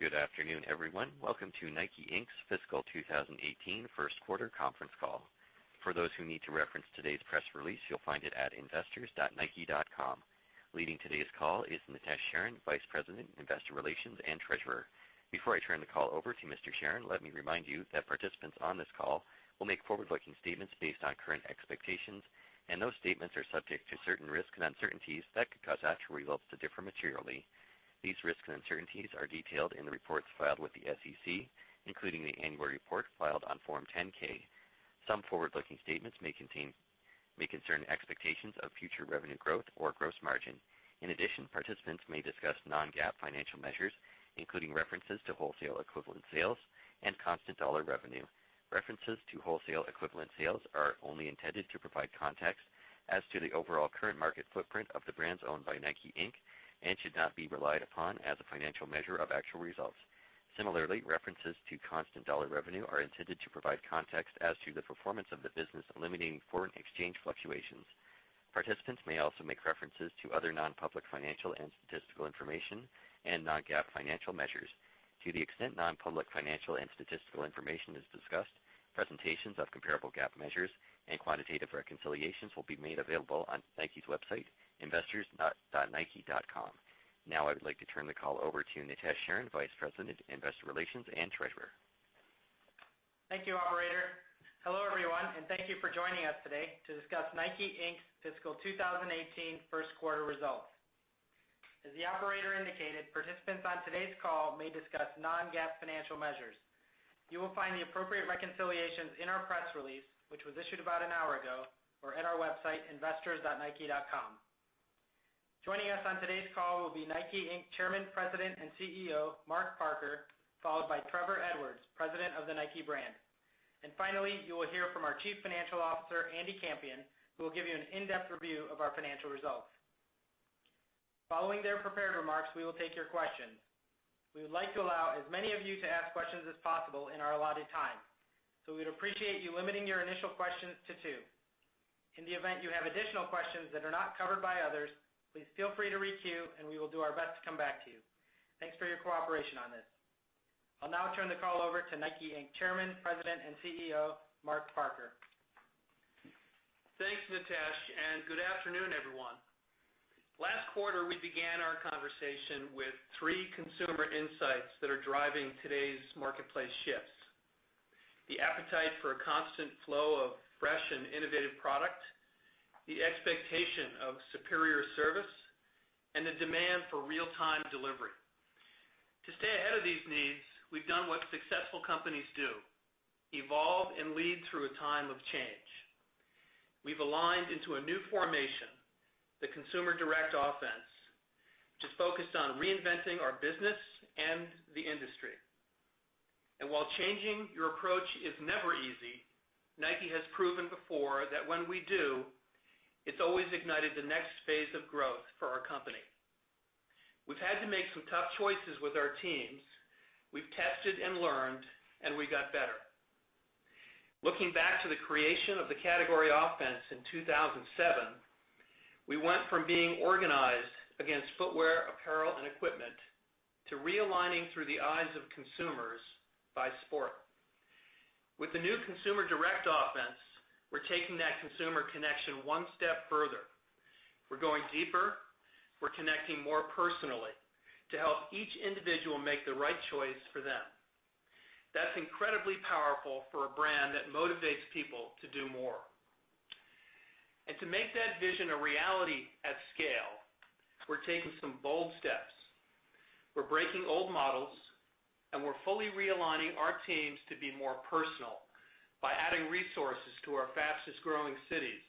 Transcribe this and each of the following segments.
Good afternoon, everyone. Welcome to Nike, Inc.'s fiscal 2018 first quarter conference call. For those who need to reference today's press release, you will find it at investors.nike.com. Leading today's call is Nitesh Sharan, Vice President, Investor Relations and Treasurer. Before I turn the call over to Mr. Sharan, let me remind you that participants on this call will make forward-looking statements based on current expectations, and those statements are subject to certain risks and uncertainties that could cause actual results to differ materially. These risks and uncertainties are detailed in the reports filed with the SEC, including the annual report filed on Form 10-K. Some forward-looking statements may concern expectations of future revenue growth or gross margin. In addition, participants may discuss non-GAAP financial measures, including references to wholesale equivalent sales and constant dollar revenue. References to wholesale equivalent sales are only intended to provide context as to the overall current market footprint of the brands owned by Nike, Inc. and should not be relied upon as a financial measure of actual results. Similarly, references to constant dollar revenue are intended to provide context as to the performance of the business limiting foreign exchange fluctuations. Participants may also make references to other non-public financial and statistical information and non-GAAP financial measures. To the extent non-public financial and statistical information is discussed, presentations of comparable GAAP measures and quantitative reconciliations will be made available on Nike's website, investors.nike.com. Now I would like to turn the call over to Nitesh Sharan, Vice President, Investor Relations and Treasurer. Thank you, operator. Hello, everyone, and thank you for joining us today to discuss Nike, Inc.'s fiscal 2018 first quarter results. As the operator indicated, participants on today's call may discuss non-GAAP financial measures. You will find the appropriate reconciliations in our press release, which was issued about an hour ago, or at our website, investors.nike.com. Joining us on today's call will be Nike, Inc. Chairman, President, and CEO, Mark Parker, followed by Trevor Edwards, President of the Nike brand. And finally, you will hear from our Chief Financial Officer, Andy Campion, who will give you an in-depth review of our financial results. Following their prepared remarks, we will take your questions. We would like to allow as many of you to ask questions as possible in our allotted time, so we would appreciate you limiting your initial questions to two. In the event you have additional questions that are not covered by others, please feel free to re-queue, and we will do our best to come back to you. Thanks for your cooperation on this. I will now turn the call over to Nike, Inc. Chairman, President, and CEO, Mark Parker. Thanks, Nitesh, good afternoon, everyone. Last quarter, we began our conversation with three consumer insights that are driving today's marketplace shifts. The appetite for a constant flow of fresh and innovative product, the expectation of superior service, and the demand for real-time delivery. To stay ahead of these needs, we've done what successful companies do, evolve and lead through a time of change. We've aligned into a new formation, the Consumer Direct Offense, which is focused on reinventing our business and the industry. While changing your approach is never easy, Nike has proven before that when we do, it's always ignited the next phase of growth for our company. We've had to make some tough choices with our teams. We've tested and learned, and we got better. Looking back to the creation of the category offense in 2007, we went from being organized against footwear, apparel, and equipment to realigning through the eyes of consumers by sport. With the new Consumer Direct Offense, we're taking that consumer connection one step further. We're going deeper. We're connecting more personally to help each individual make the right choice for them. That's incredibly powerful for a brand that motivates people to do more. To make that vision a reality at scale, we're taking some bold steps. We're breaking old models, and we're fully realigning our teams to be more personal by adding resources to our fastest-growing cities,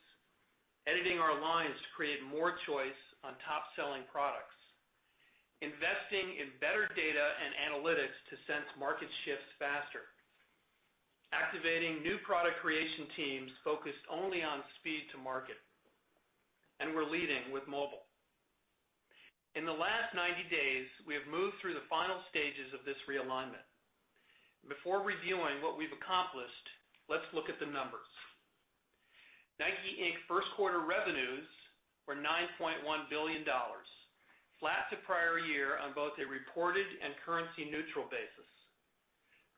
editing our lines to create more choice on top-selling products, investing in better data and analytics to sense market shifts faster, activating new product creation teams focused only on speed to market, and we're leading with mobile. In the last 90 days, we have moved through the final stages of this realignment. Before reviewing what we've accomplished, let's look at the numbers. Nike, Inc. first-quarter revenues were $9.1 billion, flat to prior year on both a reported and currency-neutral basis.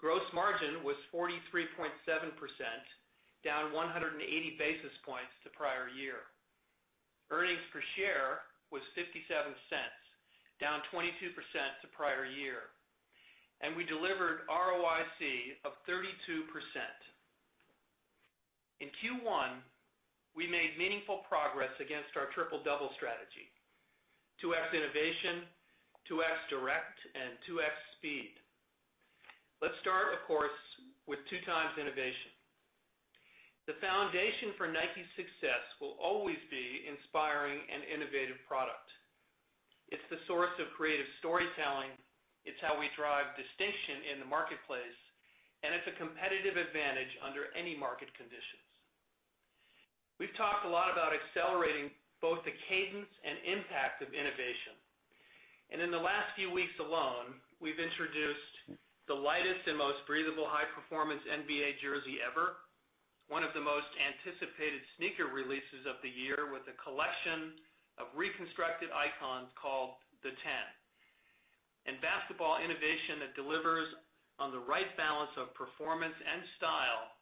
Gross margin was 43.7%, down 180 basis points to prior year. Earnings per share was $0.57, down 22% to prior year, and we delivered ROIC of 32%. In Q1, we made meaningful progress against our Triple Double strategy, 2X Innovation, 2X Direct, and 2X Speed. Let's start, of course, with 2X Innovation. The foundation for Nike's success will always be inspiring and innovative product. It's the source of creative storytelling, it's how we drive distinction in the marketplace, and it's a competitive advantage under any market conditions. We've talked a lot about accelerating both the cadence and impact of innovation. In the last few weeks alone, we've introduced the lightest and most breathable high-performance NBA jersey ever. One of the most anticipated sneaker releases of the year, with a collection of reconstructed icons called The Ten. Basketball innovation that delivers on the right balance of performance and style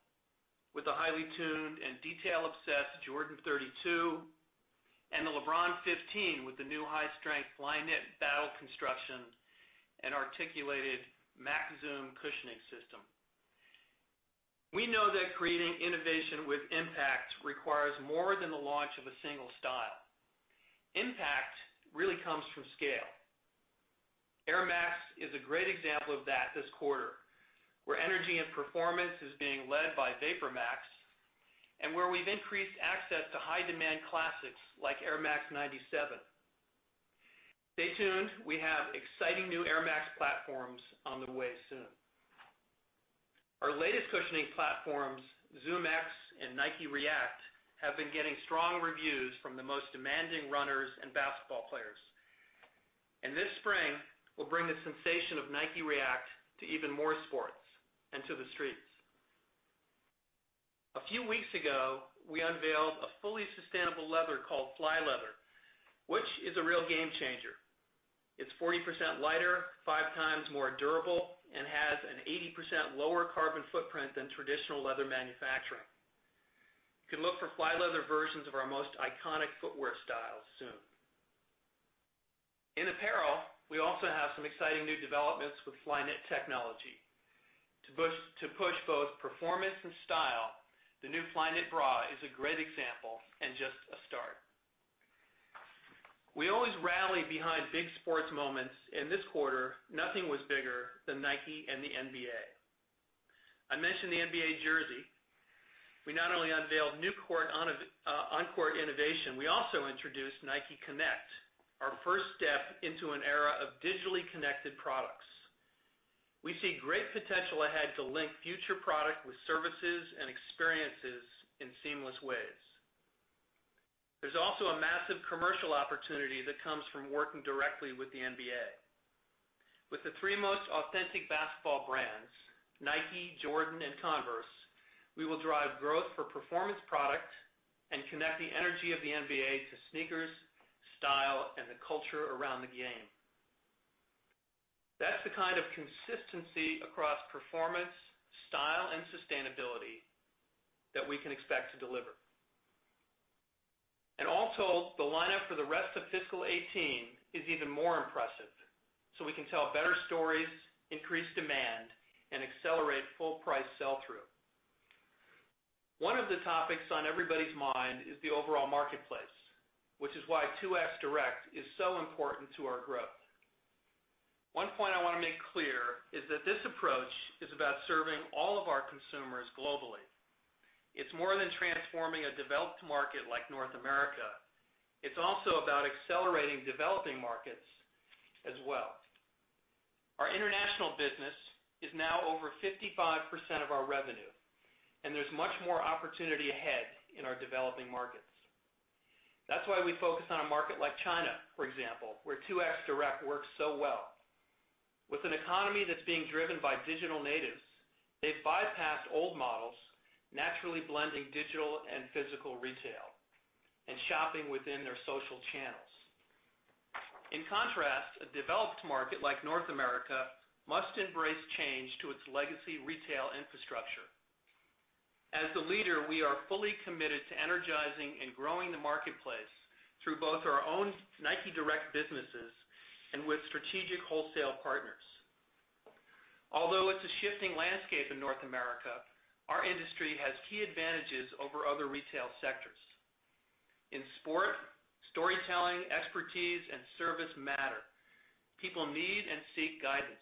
with a highly tuned and detail-obsessed Jordan 32 and the LeBron 15 with the new high-strength Flyknit battle construction and articulated Max Zoom cushioning system. We know that creating innovation with impact requires more than the launch of a single style. Impact really comes from scale. Air Max is a great example of that this quarter, where energy and performance is being led by VaporMax and where we've increased access to high-demand classics like Air Max 97. Stay tuned. We have exciting new Air Max platforms on the way soon. Our latest cushioning platforms, ZoomX and Nike React, have been getting strong reviews from the most demanding runners and basketball players. This spring, we'll bring the sensation of Nike React to even more sports and to the streets. A few weeks ago, we unveiled a fully sustainable leather called Flyleather, which is a real game changer. It's 40% lighter, five times more durable, and has an 80% lower carbon footprint than traditional leather manufacturing. You can look for Flyleather versions of our most iconic footwear styles soon. In apparel, we also have some exciting new developments with Flyknit technology. To push both performance and style, the new Flyknit Bra is a great example and just a start. We always rally behind big sports moments. In this quarter, nothing was bigger than Nike and the NBA. I mentioned the NBA jersey. We not only unveiled new on-court innovation, we also introduced NikeConnect, our first step into an era of digitally connected products. We see great potential ahead to link future product with services and experiences in seamless ways. There's also a massive commercial opportunity that comes from working directly with the NBA. With the three most authentic basketball brands, Nike, Jordan, and Converse, we will drive growth for performance product and connect the energy of the NBA to sneakers, style, and the culture around the game. That's the kind of consistency across performance, style, and sustainability that we can expect to deliver. Also, the lineup for the rest of fiscal 2018 is even more impressive. We can tell better stories, increase demand, and accelerate full price sell-through. One of the topics on everybody's mind is the overall marketplace, which is why 2X Direct is so important to our growth. One point I want to make clear is that this approach is about serving all of our consumers globally. It's more than transforming a developed market like North America. It's also about accelerating developing markets as well. Our international business is now over 55% of our revenue, and there's much more opportunity ahead in our developing markets. That's why we focus on a market like China, for example, where 2X Direct works so well. With an economy that's being driven by digital natives, they've bypassed old models, naturally blending digital and physical retail, and shopping within their social channels. In contrast, a developed market like North America must embrace change to its legacy retail infrastructure. As the leader, we are fully committed to energizing and growing the marketplace through both our own NIKE Direct businesses and with strategic wholesale partners. Although it's a shifting landscape in North America, our industry has key advantages over other retail sectors. In sport, storytelling, expertise, and service matter. People need and seek guidance.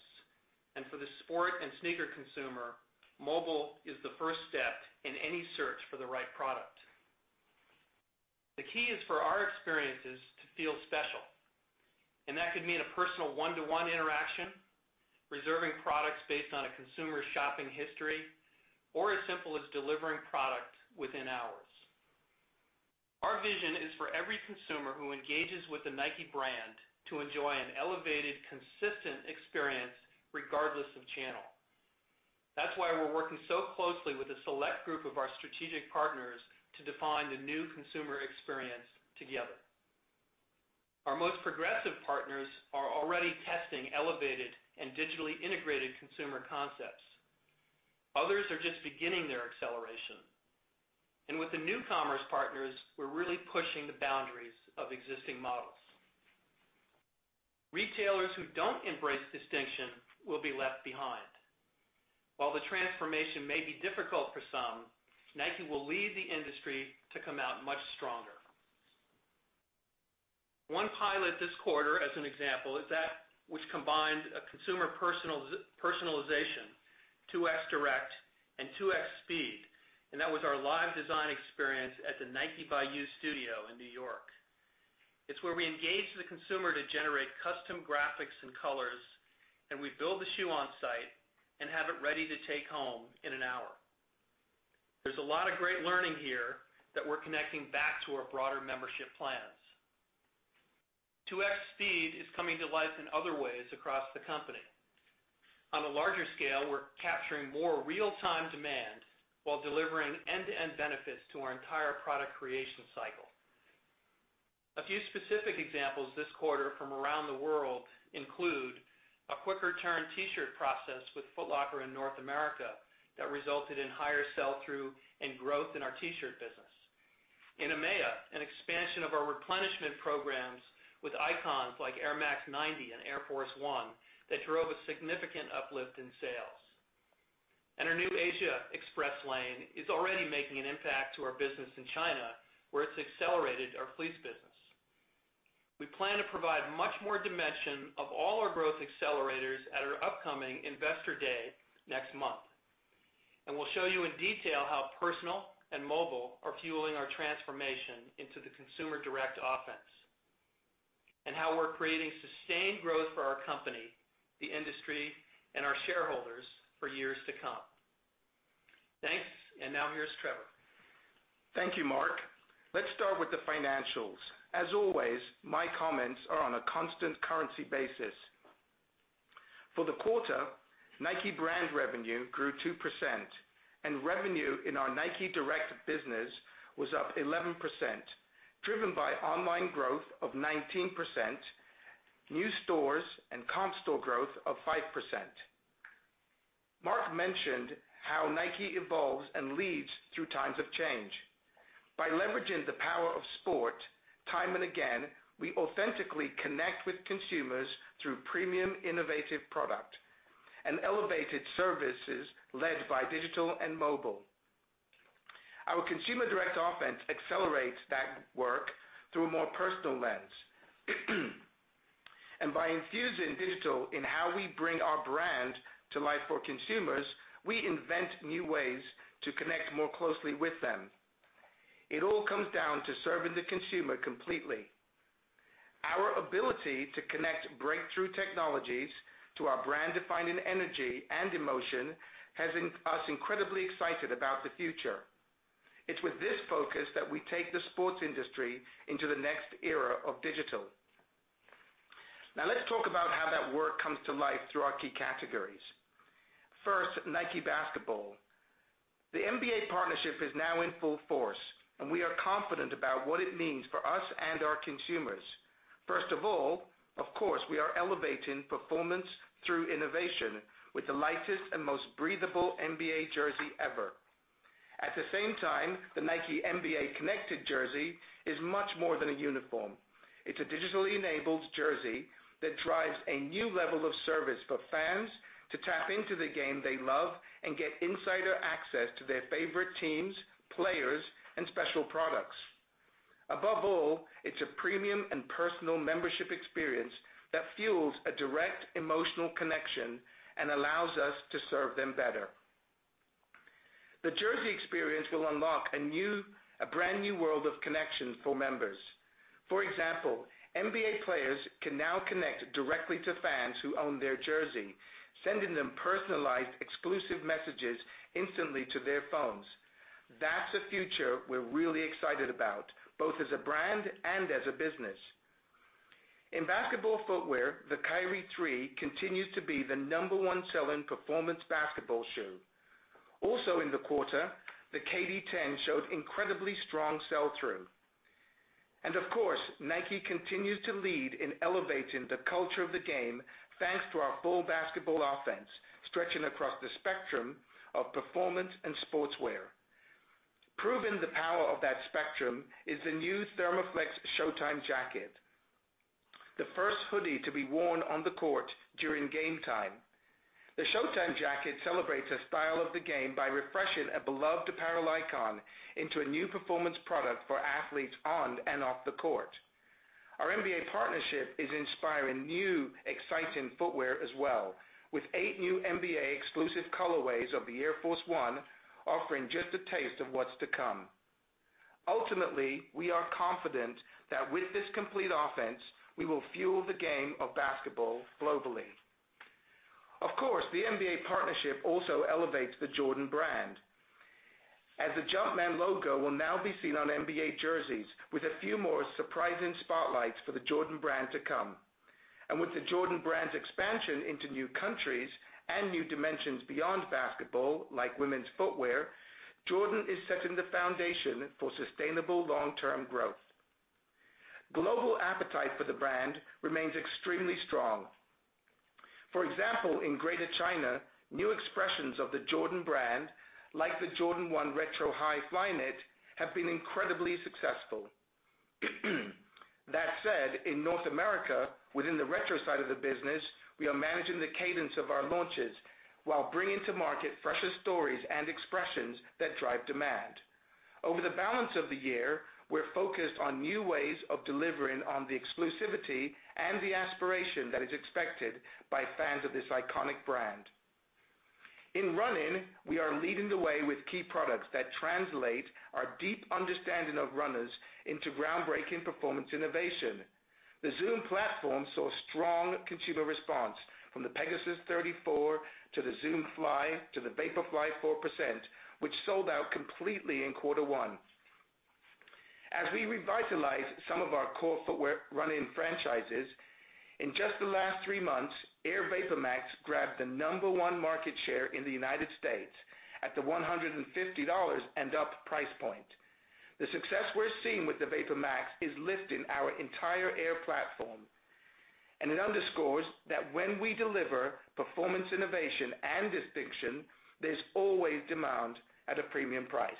For the sport and sneaker consumer, mobile is the first step in any search for the right product. The key is for our experiences to feel special, and that could mean a personal one-to-one interaction, reserving products based on a consumer's shopping history, or as simple as delivering product within hours. Our vision is for every consumer who engages with the Nike brand to enjoy an elevated, consistent experience regardless of channel. That's why we're working so closely with a select group of our strategic partners to define the new consumer experience together. Our most progressive partners are already testing elevated and digitally integrated consumer concepts. Others are just beginning their acceleration. With the new commerce partners, we're really pushing the boundaries of existing models. Retailers who don't embrace distinction will be left behind. While the transformation may be difficult for some, Nike will lead the industry to come out much stronger. One pilot this quarter, as an example, is that which combined a consumer personalization, 2X Direct and 2X Speed, and that was our live design experience at the Nike By You studio in New York. It's where we engage the consumer to generate custom graphics and colors, and we build the shoe on-site and have it ready to take home in an hour. There's a lot of great learning here that we're connecting back to our broader membership plans. 2X Speed is coming to life in other ways across the company. On a larger scale, we're capturing more real-time demand while delivering end-to-end benefits to our entire product creation cycle. A few specific examples this quarter from around the world include a quicker turn T-shirt process with Foot Locker in North America that resulted in higher sell-through and growth in our T-shirt business. In EMEA, an expansion of our replenishment programs with icons like Air Max 90 and Air Force 1 that drove a significant uplift in sales. Our new Asia Express Lane is already making an impact to our business in China, where it's accelerated our fleece business. We plan to provide much more dimension of all our growth accelerators at our upcoming Investor Day next month, and we'll show you in detail how personal and mobile are fueling our transformation into the Consumer Direct Offense and how we're creating sustained growth for our company, the industry, and our shareholders for years to come. Thanks. Now here's Trevor. Thank you, Mark. Let's start with the financials. As always, my comments are on a constant currency basis. For the quarter, Nike brand revenue grew 2%, and revenue in our Nike Direct business was up 11%, driven by online growth of 19%, new stores, and comp store growth of 5%. Mark mentioned how Nike evolves and leads through times of change. By leveraging the power of sport, time and again, we authentically connect with consumers through premium innovative product and elevated services led by digital and mobile. Our Consumer Direct Offense accelerates that work through a more personal lens. By infusing digital in how we bring our brand to life for consumers, we invent new ways to connect more closely with them. It all comes down to serving the consumer completely. Our ability to connect breakthrough technologies to our brand-defining energy and emotion has us incredibly excited about the future. It's with this focus that we take the sports industry into the next era of digital. Let's talk about how that work comes to life through our key categories. First, Nike Basketball. The NBA partnership is now in full force, and we are confident about what it means for us and our consumers. First of all, of course, we are elevating performance through innovation with the lightest and most breathable NBA jersey ever. At the same time, the Nike NBA connected jersey is much more than a uniform. It's a digitally enabled jersey that drives a new level of service for fans to tap into the game they love and get insider access to their favorite teams, players, and special products. Above all, it's a premium and personal membership experience that fuels a direct emotional connection and allows us to serve them better. The jersey experience will unlock a brand new world of connections for members. For example, NBA players can now connect directly to fans who own their jersey, sending them personalized, exclusive messages instantly to their phones. That's a future we're really excited about, both as a brand and as a business. In basketball footwear, the Kyrie 3 continues to be the number 1 selling performance basketball shoe. Also in the quarter, the KD10 showed incredibly strong sell-through. Of course, Nike continues to lead in elevating the culture of the game, thanks to our full basketball offense, stretching across the spectrum of performance and Nike Sportswear. Proving the power of that spectrum is the new Therma Flex Showtime jacket, the first hoodie to be worn on the court during game time. The Showtime jacket celebrates a style of the game by refreshing a beloved apparel icon into a new performance product for athletes on and off the court. Our NBA partnership is inspiring new exciting footwear as well, with eight new NBA exclusive colorways of the Air Force 1 offering just a taste of what's to come. Ultimately, we are confident that with this complete offense, we will fuel the game of basketball globally. Of course, the NBA partnership also elevates the Jordan brand, as the Jumpman logo will now be seen on NBA jerseys with a few more surprising spotlights for the Jordan brand to come. With the Jordan brand's expansion into new countries and new dimensions beyond basketball, like women's footwear, Jordan is setting the foundation for sustainable long-term growth. Global appetite for the brand remains extremely strong. For example, in Greater China, new expressions of the Jordan brand, like the Air Jordan 1 Retro High Flyknit, have been incredibly successful. That said, in North America, within the retro side of the business, we are managing the cadence of our launches while bringing to market fresher stories and expressions that drive demand. Over the balance of the year, we're focused on new ways of delivering on the exclusivity and the aspiration that is expected by fans of this iconic brand. In running, we are leading the way with key products that translate our deep understanding of runners into groundbreaking performance innovation. The Zoom Fly Platform saw strong consumer response from the Pegasus 34 to the Zoom Fly to the Vaporfly 4%, which sold out completely in quarter one. As we revitalize some of our core footwear running franchises, in just the last 3 months, Air VaporMax grabbed the number one market share in the United States at the $150 and up price point. The success we're seeing with the VaporMax is lifting our entire Air platform, and it underscores that when we deliver performance, innovation, and distinction, there's always demand at a premium price.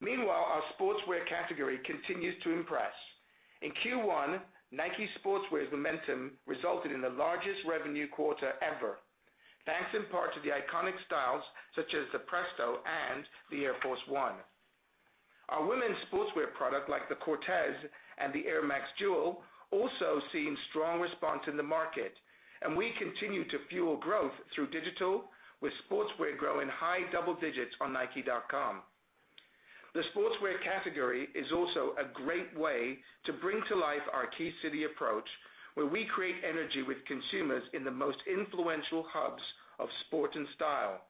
Meanwhile, our Nike Sportswear category continues to impress. In Q1, Nike Sportswear's momentum resulted in the largest revenue quarter ever, thanks in part to the iconic styles such as the Presto and the Air Force 1. Our women's sportswear product like the Cortez and the Air Max Jewell also seen strong response in the market, and we continue to fuel growth through digital, with sportswear growing high double digits on nike.com. The sportswear category is also a great way to bring to life our key city approach, where we create energy with consumers in the most influential hubs of sport and style.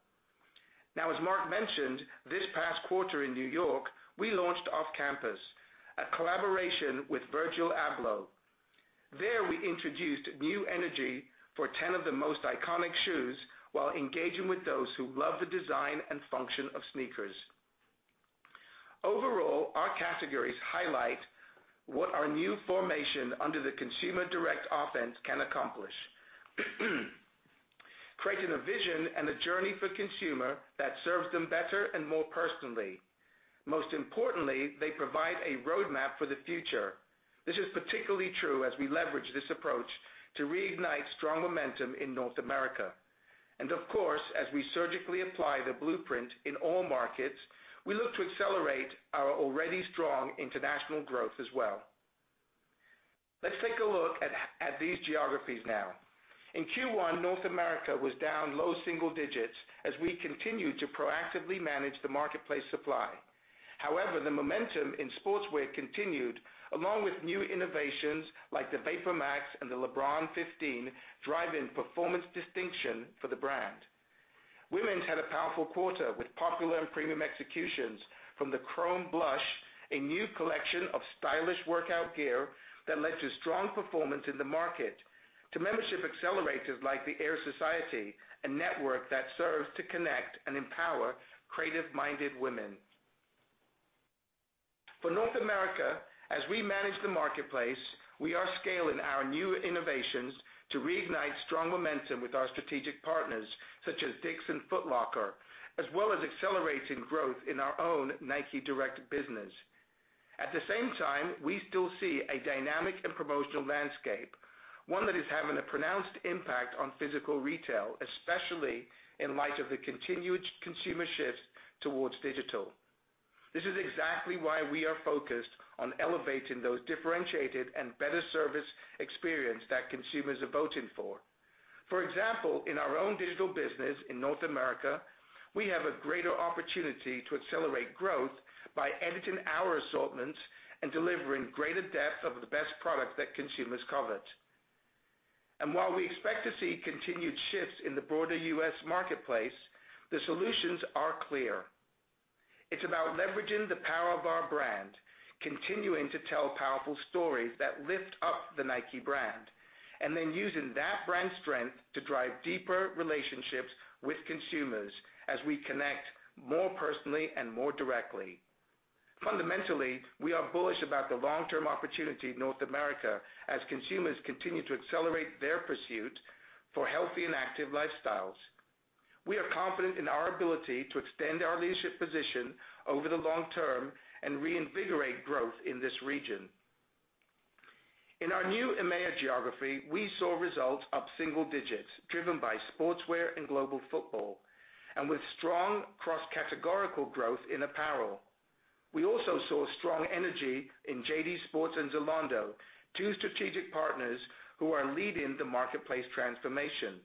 Now, as Mark mentioned, this past quarter in New York, we launched Off Campus, a collaboration with Virgil Abloh. There, we introduced new energy for 10 of the most iconic shoes while engaging with those who love the design and function of sneakers. Overall, our categories highlight what our new formation under the Consumer Direct Offense can accomplish. Creating a vision and a journey for consumer that serves them better and more personally. Most importantly, they provide a roadmap for the future. This is particularly true as we leverage this approach to reignite strong momentum in North America. Of course, as we surgically apply the blueprint in all markets, we look to accelerate our already strong international growth as well. Let's take a look at these geographies now. In Q1, North America was down low single digits as we continued to proactively manage the marketplace supply. However, the momentum in sportswear continued, along with new innovations like the VaporMax and the LeBron 15 driving performance distinction for the brand. Women's had a powerful quarter with popular and premium executions from the Chrome Blush, a new collection of stylish workout gear that led to strong performance in the market to membership accelerators like the Air Society, a network that serves to connect and empower creative-minded women. For North America, as we manage the marketplace, we are scaling our new innovations to reignite strong momentum with our strategic partners such as DICK'S and Foot Locker, as well as accelerating growth in our own NIKE Direct business. At the same time, we still see a dynamic and promotional landscape, one that is having a pronounced impact on physical retail, especially in light of the continued consumer shift towards digital. This is exactly why we are focused on elevating those differentiated and better service experience that consumers are voting for. For example, in our own digital business in North America, we have a greater opportunity to accelerate growth by editing our assortments and delivering greater depth of the best product that consumers covet. While we expect to see continued shifts in the broader U.S. marketplace, the solutions are clear. It's about leveraging the power of our brand, continuing to tell powerful stories that lift up the Nike brand, and then using that brand strength to drive deeper relationships with consumers as we connect more personally and more directly. Fundamentally, we are bullish about the long-term opportunity in North America as consumers continue to accelerate their pursuit for healthy and active lifestyles. We are confident in our ability to extend our leadership position over the long term and reinvigorate growth in this region. In our new EMEA geography, we saw results up single digits, driven by sportswear and global football, and with strong cross-categorical growth in apparel. We also saw strong energy in JD Sports and Zalando, two strategic partners who are leading the marketplace transformation.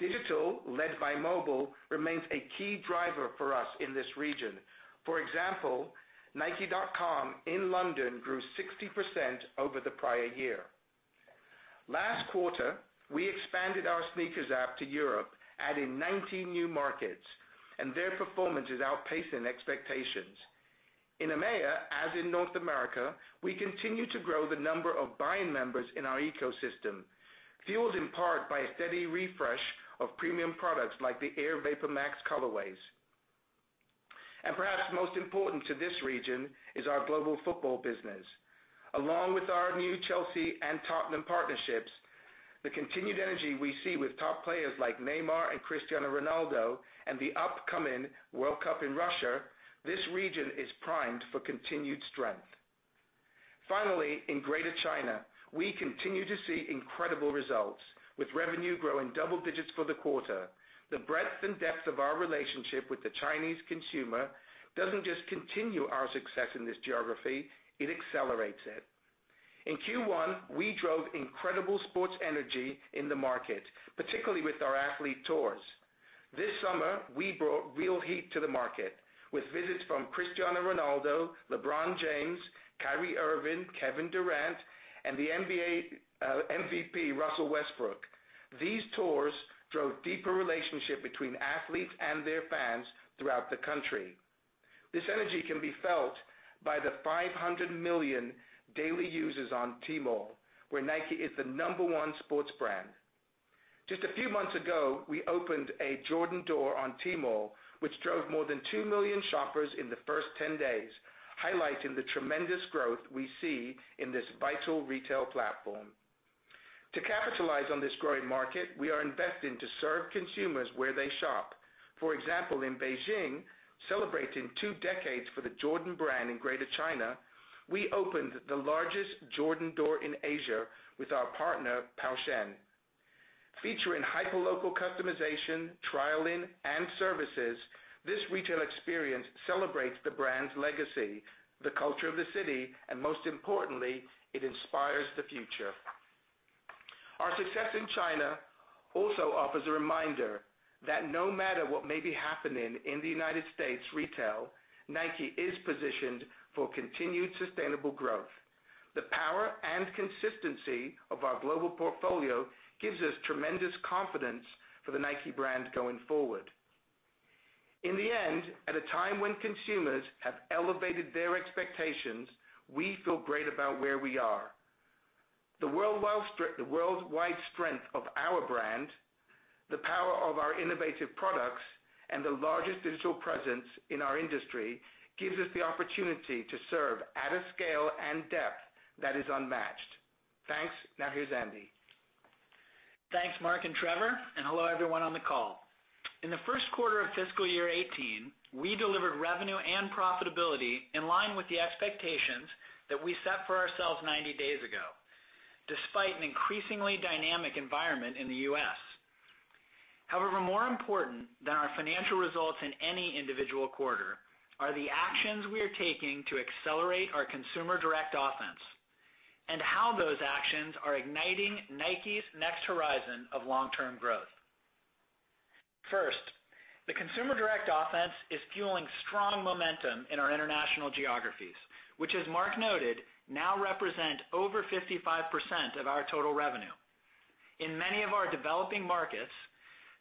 Digital, led by mobile, remains a key driver for us in this region. For example, nike.com in London grew 60% over the prior year. Last quarter, we expanded our SNKRS app to Europe, adding 19 new markets, and their performance is outpacing expectations. In EMEA, as in North America, we continue to grow the number of buying members in our ecosystem, fueled in part by a steady refresh of premium products like the Air VaporMax colorways. Perhaps most important to this region is our global football business. Along with our new Chelsea and Tottenham partnerships, the continued energy we see with top players like Neymar and Cristiano Ronaldo and the upcoming World Cup in Russia, this region is primed for continued strength. In Greater China, we continue to see incredible results, with revenue growing double digits for the quarter. The breadth and depth of our relationship with the Chinese consumer doesn't just continue our success in this geography, it accelerates it. In Q1, we drove incredible sports energy in the market, particularly with our athlete tours. This summer, we brought real heat to the market with visits from Cristiano Ronaldo, LeBron James, Kyrie Irving, Kevin Durant, and the MVP, Russell Westbrook. These tours drove deeper relationship between athletes and their fans throughout the country. This energy can be felt by the 500 million daily users on Tmall, where Nike is the number 1 sports brand. Just a few months ago, we opened a Jordan door on Tmall, which drove more than 2 million shoppers in the first 10 days, highlighting the tremendous growth we see in this vital retail platform. To capitalize on this growing market, we are investing to serve consumers where they shop. For example, in Beijing, celebrating 2 decades for the Jordan brand in Greater China, we opened the largest Jordan door in Asia with our partner, Pou Sheng. Featuring hyper local customization, trialing, and services, this retail experience celebrates the brand's legacy, the culture of the city, and most importantly, it inspires the future. Our success in China also offers a reminder that no matter what may be happening in the U.S. retail, Nike is positioned for continued sustainable growth. The power and consistency of our global portfolio gives us tremendous confidence for the Nike brand going forward. In the end, at a time when consumers have elevated their expectations, we feel great about where we are. The worldwide strength of our brand, the power of our innovative products, and the largest digital presence in our industry gives us the opportunity to serve at a scale and depth that is unmatched. Thanks. Now, here's Andy. Thanks, Mark and Trevor, and hello, everyone on the call. In the first quarter of fiscal year 2018, we delivered revenue and profitability in line with the expectations that we set for ourselves 90 days ago, despite an increasingly dynamic environment in the U.S. However, more important than our financial results in any individual quarter are the actions we are taking to accelerate our Consumer Direct Offense and how those actions are igniting Nike's next horizon of long-term growth. First, the Consumer Direct Offense is fueling strong momentum in our international geographies, which, as Mark noted, now represent over 55% of our total revenue. In many of our developing markets,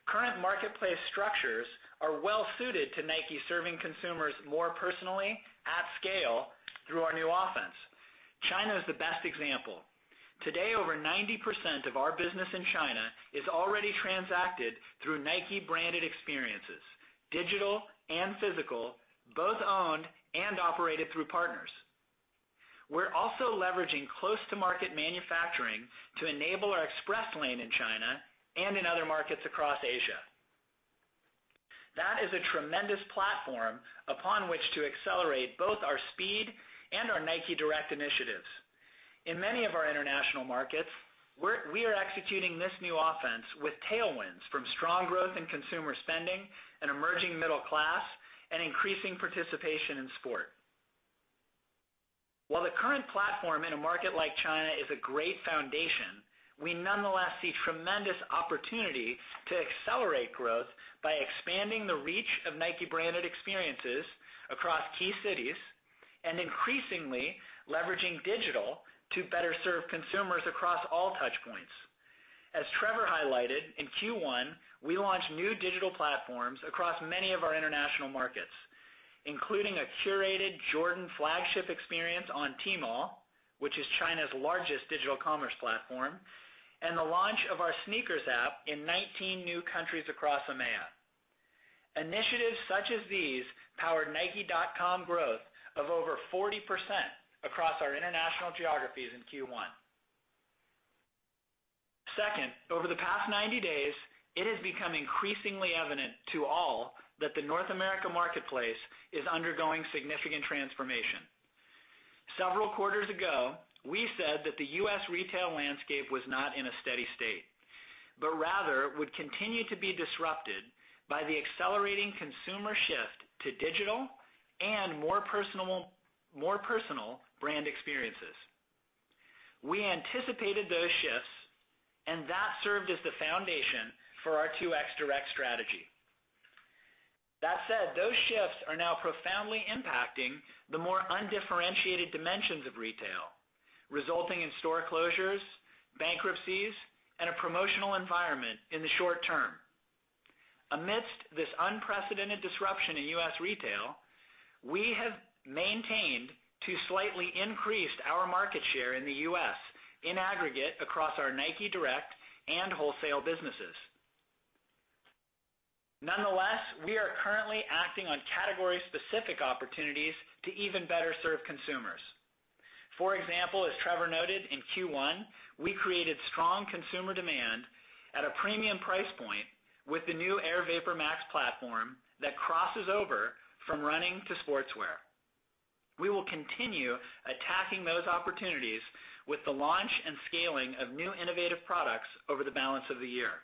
current marketplace structures are well suited to Nike serving consumers more personally at scale through our new offense. China is the best example. Today, over 90% of our business in China is already transacted through Nike-branded experiences, digital and physical, both owned and operated through partners. We're also leveraging close-to-market manufacturing to enable our Express Lane in China and in other markets across Asia. That is a tremendous platform upon which to accelerate both our speed and our NIKE Direct initiatives. In many of our international markets, we are executing this new offense with tailwinds from strong growth in consumer spending and emerging middle class and increasing participation in sport. While the current platform in a market like China is a great foundation, we nonetheless see tremendous opportunity to accelerate growth by expanding the reach of Nike-branded experiences across key cities and increasingly leveraging digital to better serve consumers across all touch points. As Trevor highlighted, in Q1, we launched new digital platforms across many of our international markets, including a curated Jordan flagship experience on Tmall, which is China's largest digital commerce platform, and the launch of our SNKRS app in 19 new countries across EMEA. Initiatives such as these powered nike.com growth of over 40% across our international geographies in Q1. Second, over the past 90 days, it has become increasingly evident to all that the North America marketplace is undergoing significant transformation. Several quarters ago, we said that the U.S. retail landscape was not in a steady state, but rather would continue to be disrupted by the accelerating consumer shift to digital and more personal brand experiences. We anticipated those shifts, and that served as the foundation for our 2X Direct strategy. That said, those shifts are now profoundly impacting the more undifferentiated dimensions of retail, resulting in store closures, bankruptcies, and a promotional environment in the short term. Amidst this unprecedented disruption in U.S. retail, we have maintained to slightly increase our market share in the U.S. in aggregate across our NIKE Direct and wholesale businesses. Nonetheless, we are currently acting on category-specific opportunities to even better serve consumers. For example, as Trevor noted, in Q1, we created strong consumer demand at a premium price point with the new Air VaporMax platform that crosses over from running to sportswear. We will continue attacking those opportunities with the launch and scaling of new innovative products over the balance of the year.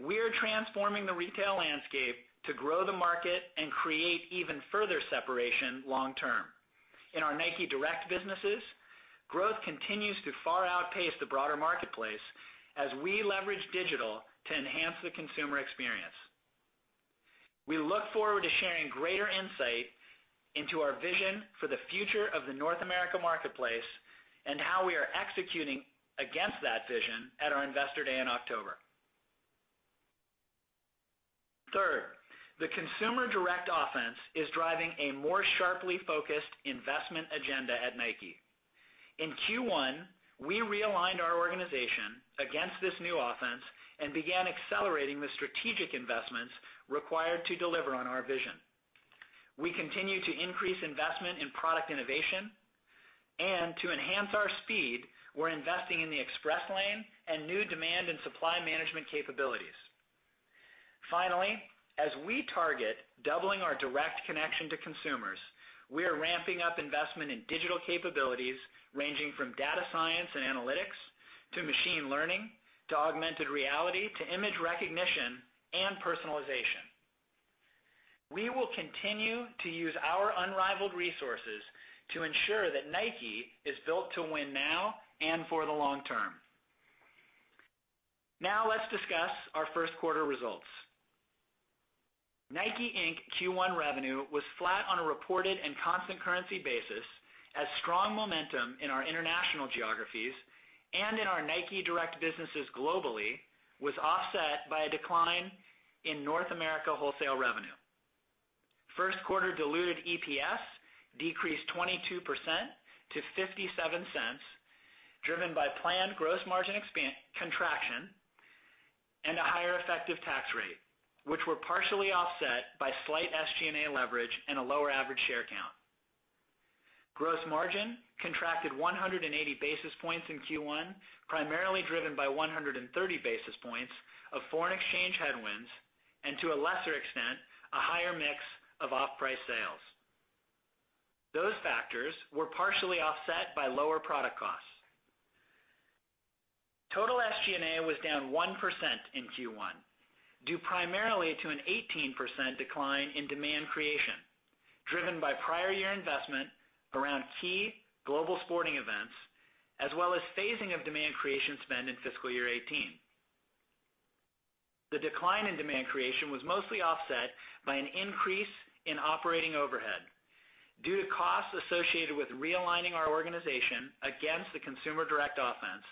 We are transforming the retail landscape to grow the market and create even further separation long term. In our NIKE Direct businesses, growth continues to far outpace the broader marketplace as we leverage digital to enhance the consumer experience. We look forward to sharing greater insight into our vision for the future of the North America marketplace and how we are executing against that vision at our Investor Day in October. Third, the Consumer Direct Offense is driving a more sharply focused investment agenda at Nike. In Q1, we realigned our organization against this new offense and began accelerating the strategic investments required to deliver on our vision. We continue to increase investment in product innovation and to enhance our speed, we're investing in the Express Lane and new demand and supply management capabilities. Finally, as we target doubling our direct connection to consumers, we are ramping up investment in digital capabilities ranging from data science and analytics to machine learning, to augmented reality, to image recognition and personalization. We will continue to use our unrivaled resources to ensure that Nike is built to win now and for the long term. Now let's discuss our first quarter results. Nike, Inc. Q1 revenue was flat on a reported and constant currency basis as strong momentum in our international geographies and in our NIKE Direct businesses globally was offset by a decline in North America wholesale revenue. First quarter diluted EPS decreased 22% to $0.57, driven by planned gross margin contraction and a higher effective tax rate, which were partially offset by slight SG&A leverage and a lower average share count. Gross margin contracted 180 basis points in Q1, primarily driven by 130 basis points of foreign exchange headwinds and, to a lesser extent, a higher mix of off-price sales. Those factors were partially offset by lower product costs. Total SG&A was down 1% in Q1, due primarily to an 18% decline in demand creation, driven by prior year investment around key global sporting events, as well as phasing of demand creation spend in fiscal year 2018. The decline in demand creation was mostly offset by an increase in operating overhead due to costs associated with realigning our organization against the Consumer Direct Offense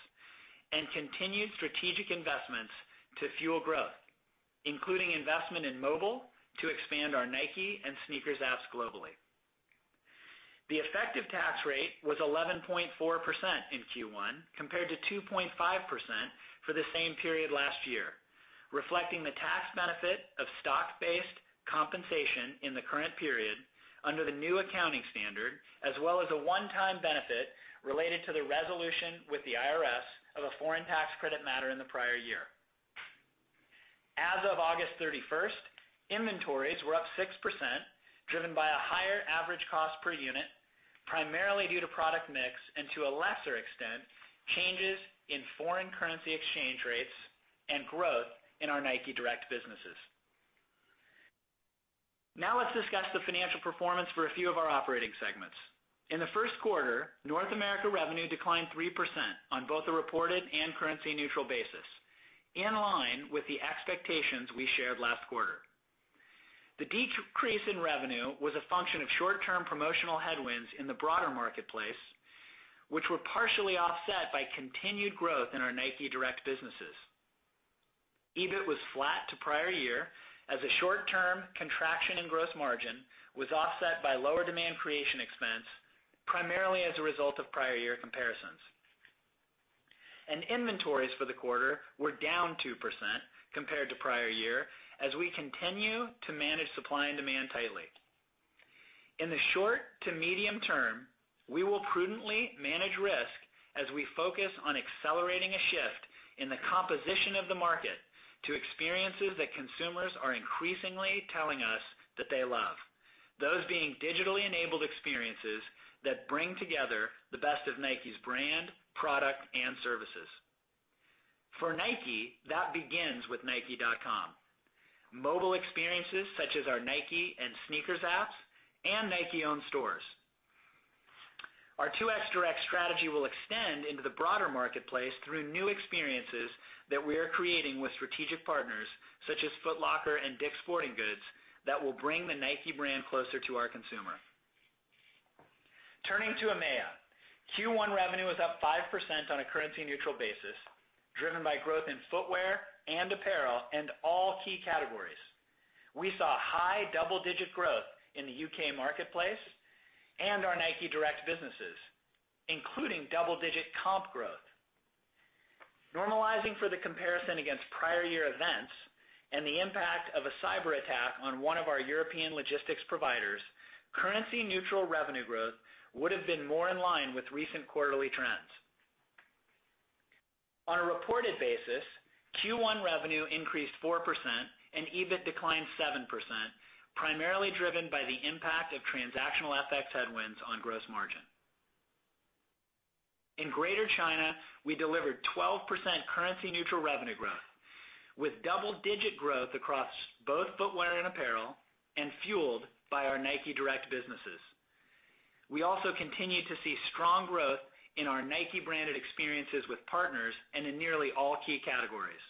and continued strategic investments to fuel growth, including investment in mobile to expand our Nike and SNKRS apps globally. The effective tax rate was 11.4% in Q1, compared to 2.5% for the same period last year, reflecting the tax benefit of stock-based compensation in the current period under the new accounting standard, as well as a one-time benefit related to the resolution with the IRS of a foreign tax credit matter in the prior year. As of August 31st, inventories were up 6%, driven by a higher average cost per unit, primarily due to product mix and, to a lesser extent, changes in foreign currency exchange rates and growth in our NIKE Direct businesses. Now let's discuss the financial performance for a few of our operating segments. In the first quarter, North America revenue declined 3% on both a reported and currency-neutral basis, in line with the expectations we shared last quarter. The decrease in revenue was a function of short-term promotional headwinds in the broader marketplace, which were partially offset by continued growth in our Nike Direct businesses. EBIT was flat to prior year as a short-term contraction in gross margin was offset by lower demand creation expense, primarily as a result of prior year comparisons. Inventories for the quarter were down 2% compared to prior year as we continue to manage supply and demand tightly. In the short to medium term, we will prudently manage risk as we focus on accelerating a shift in the composition of the market to experiences that consumers are increasingly telling us that they love, those being digitally enabled experiences that bring together the best of Nike's brand, product, and services. For Nike, that begins with nike.com, mobile experiences such as our Nike and SNKRS apps, and Nike-owned stores. Our 2X Direct strategy will extend into the broader marketplace through new experiences that we are creating with strategic partners such as Foot Locker and DICK'S Sporting Goods that will bring the Nike brand closer to our consumer. Turning to EMEA. Q1 revenue was up 5% on a currency-neutral basis, driven by growth in footwear and apparel and all key categories. We saw high double-digit growth in the U.K. marketplace and our Nike Direct businesses, including double-digit comp growth. Normalizing for the comparison against prior year events and the impact of a cyber attack on one of our European logistics providers, currency-neutral revenue growth would have been more in line with recent quarterly trends. On a reported basis, Q1 revenue increased 4% and EBIT declined 7%, primarily driven by the impact of transactional FX headwinds on gross margin. In Greater China, we delivered 12% currency-neutral revenue growth, with double-digit growth across both footwear and apparel, fueled by our Nike Direct businesses. We also continued to see strong growth in our Nike branded experiences with partners and in nearly all key categories.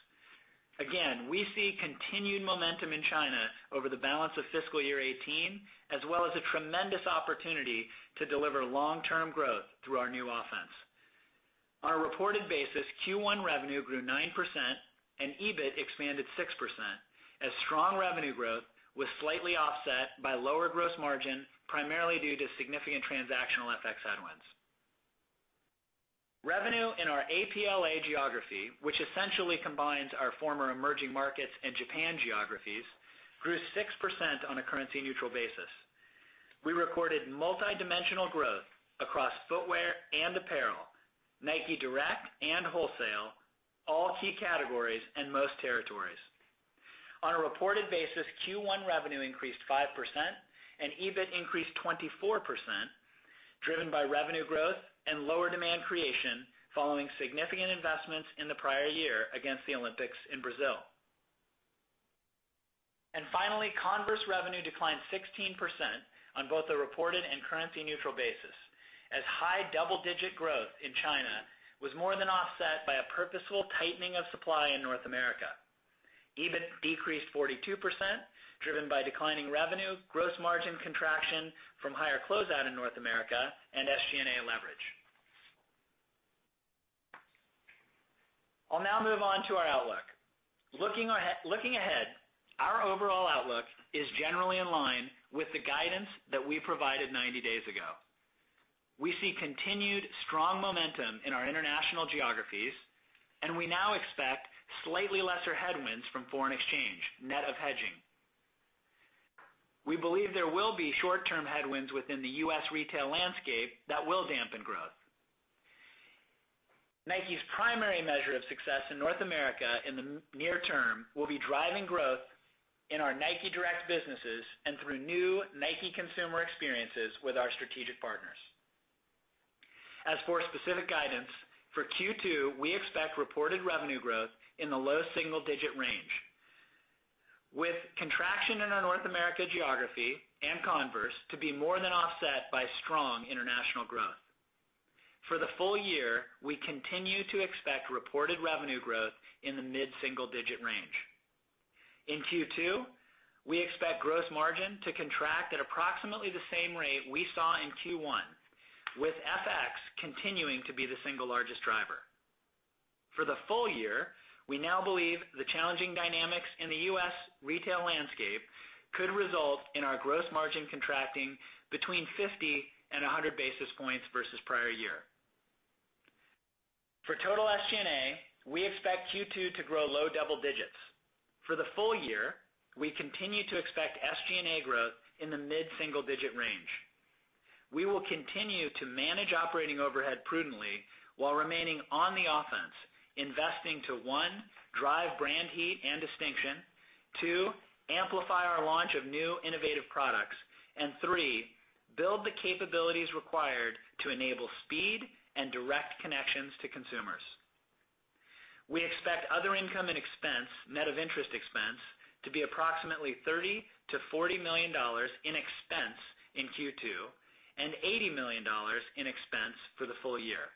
Again, we see continued momentum in China over the balance of fiscal year 2018, as well as a tremendous opportunity to deliver long-term growth through our new offense. On a reported basis, Q1 revenue grew 9% and EBIT expanded 6%, as strong revenue growth was slightly offset by lower gross margin, primarily due to significant transactional FX headwinds. Revenue in our APLA geography, which essentially combines our former emerging markets and Japan geographies, grew 6% on a currency-neutral basis. We recorded multi-dimensional growth across footwear and apparel, Nike Direct and wholesale, all key categories and most territories. On a reported basis, Q1 revenue increased 5% and EBIT increased 24%, driven by revenue growth and lower demand creation following significant investments in the prior year against the Olympics in Brazil. Finally, Converse revenue declined 16% on both a reported and currency-neutral basis, as high double-digit growth in China was more than offset by a purposeful tightening of supply in North America. EBIT decreased 42%, driven by declining revenue, gross margin contraction from higher closeout in North America, and SG&A leverage. I'll now move on to our outlook. Looking ahead, our overall outlook is generally in line with the guidance that we provided 90 days ago. We see continued strong momentum in our international geographies, and we now expect slightly lesser headwinds from foreign exchange, net of hedging. We believe there will be short-term headwinds within the U.S. retail landscape that will dampen growth. Nike's primary measure of success in North America in the near term will be driving growth in our NIKE Direct businesses and through new Nike consumer experiences with our strategic partners. As for specific guidance, for Q2, we expect reported revenue growth in the low single-digit range. With contraction in our North America geography and Converse to be more than offset by strong international growth. For the full year, we continue to expect reported revenue growth in the mid-single digit range. In Q2, we expect gross margin to contract at approximately the same rate we saw in Q1, with FX continuing to be the single largest driver. For the full year, we now believe the challenging dynamics in the U.S. retail landscape could result in our gross margin contracting between 50 and 100 basis points versus prior year. For total SG&A, we expect Q2 to grow low double digits. For the full year, we continue to expect SG&A growth in the mid-single digit range. We will continue to manage operating overhead prudently while remaining on the offense, investing to, one, drive brand heat and distinction. Two, amplify our launch of new innovative products. Three, build the capabilities required to enable speed and direct connections to consumers. We expect other income and expense net of interest expense to be approximately $30 million to $40 million in expense in Q2 and $80 million in expense for the full year.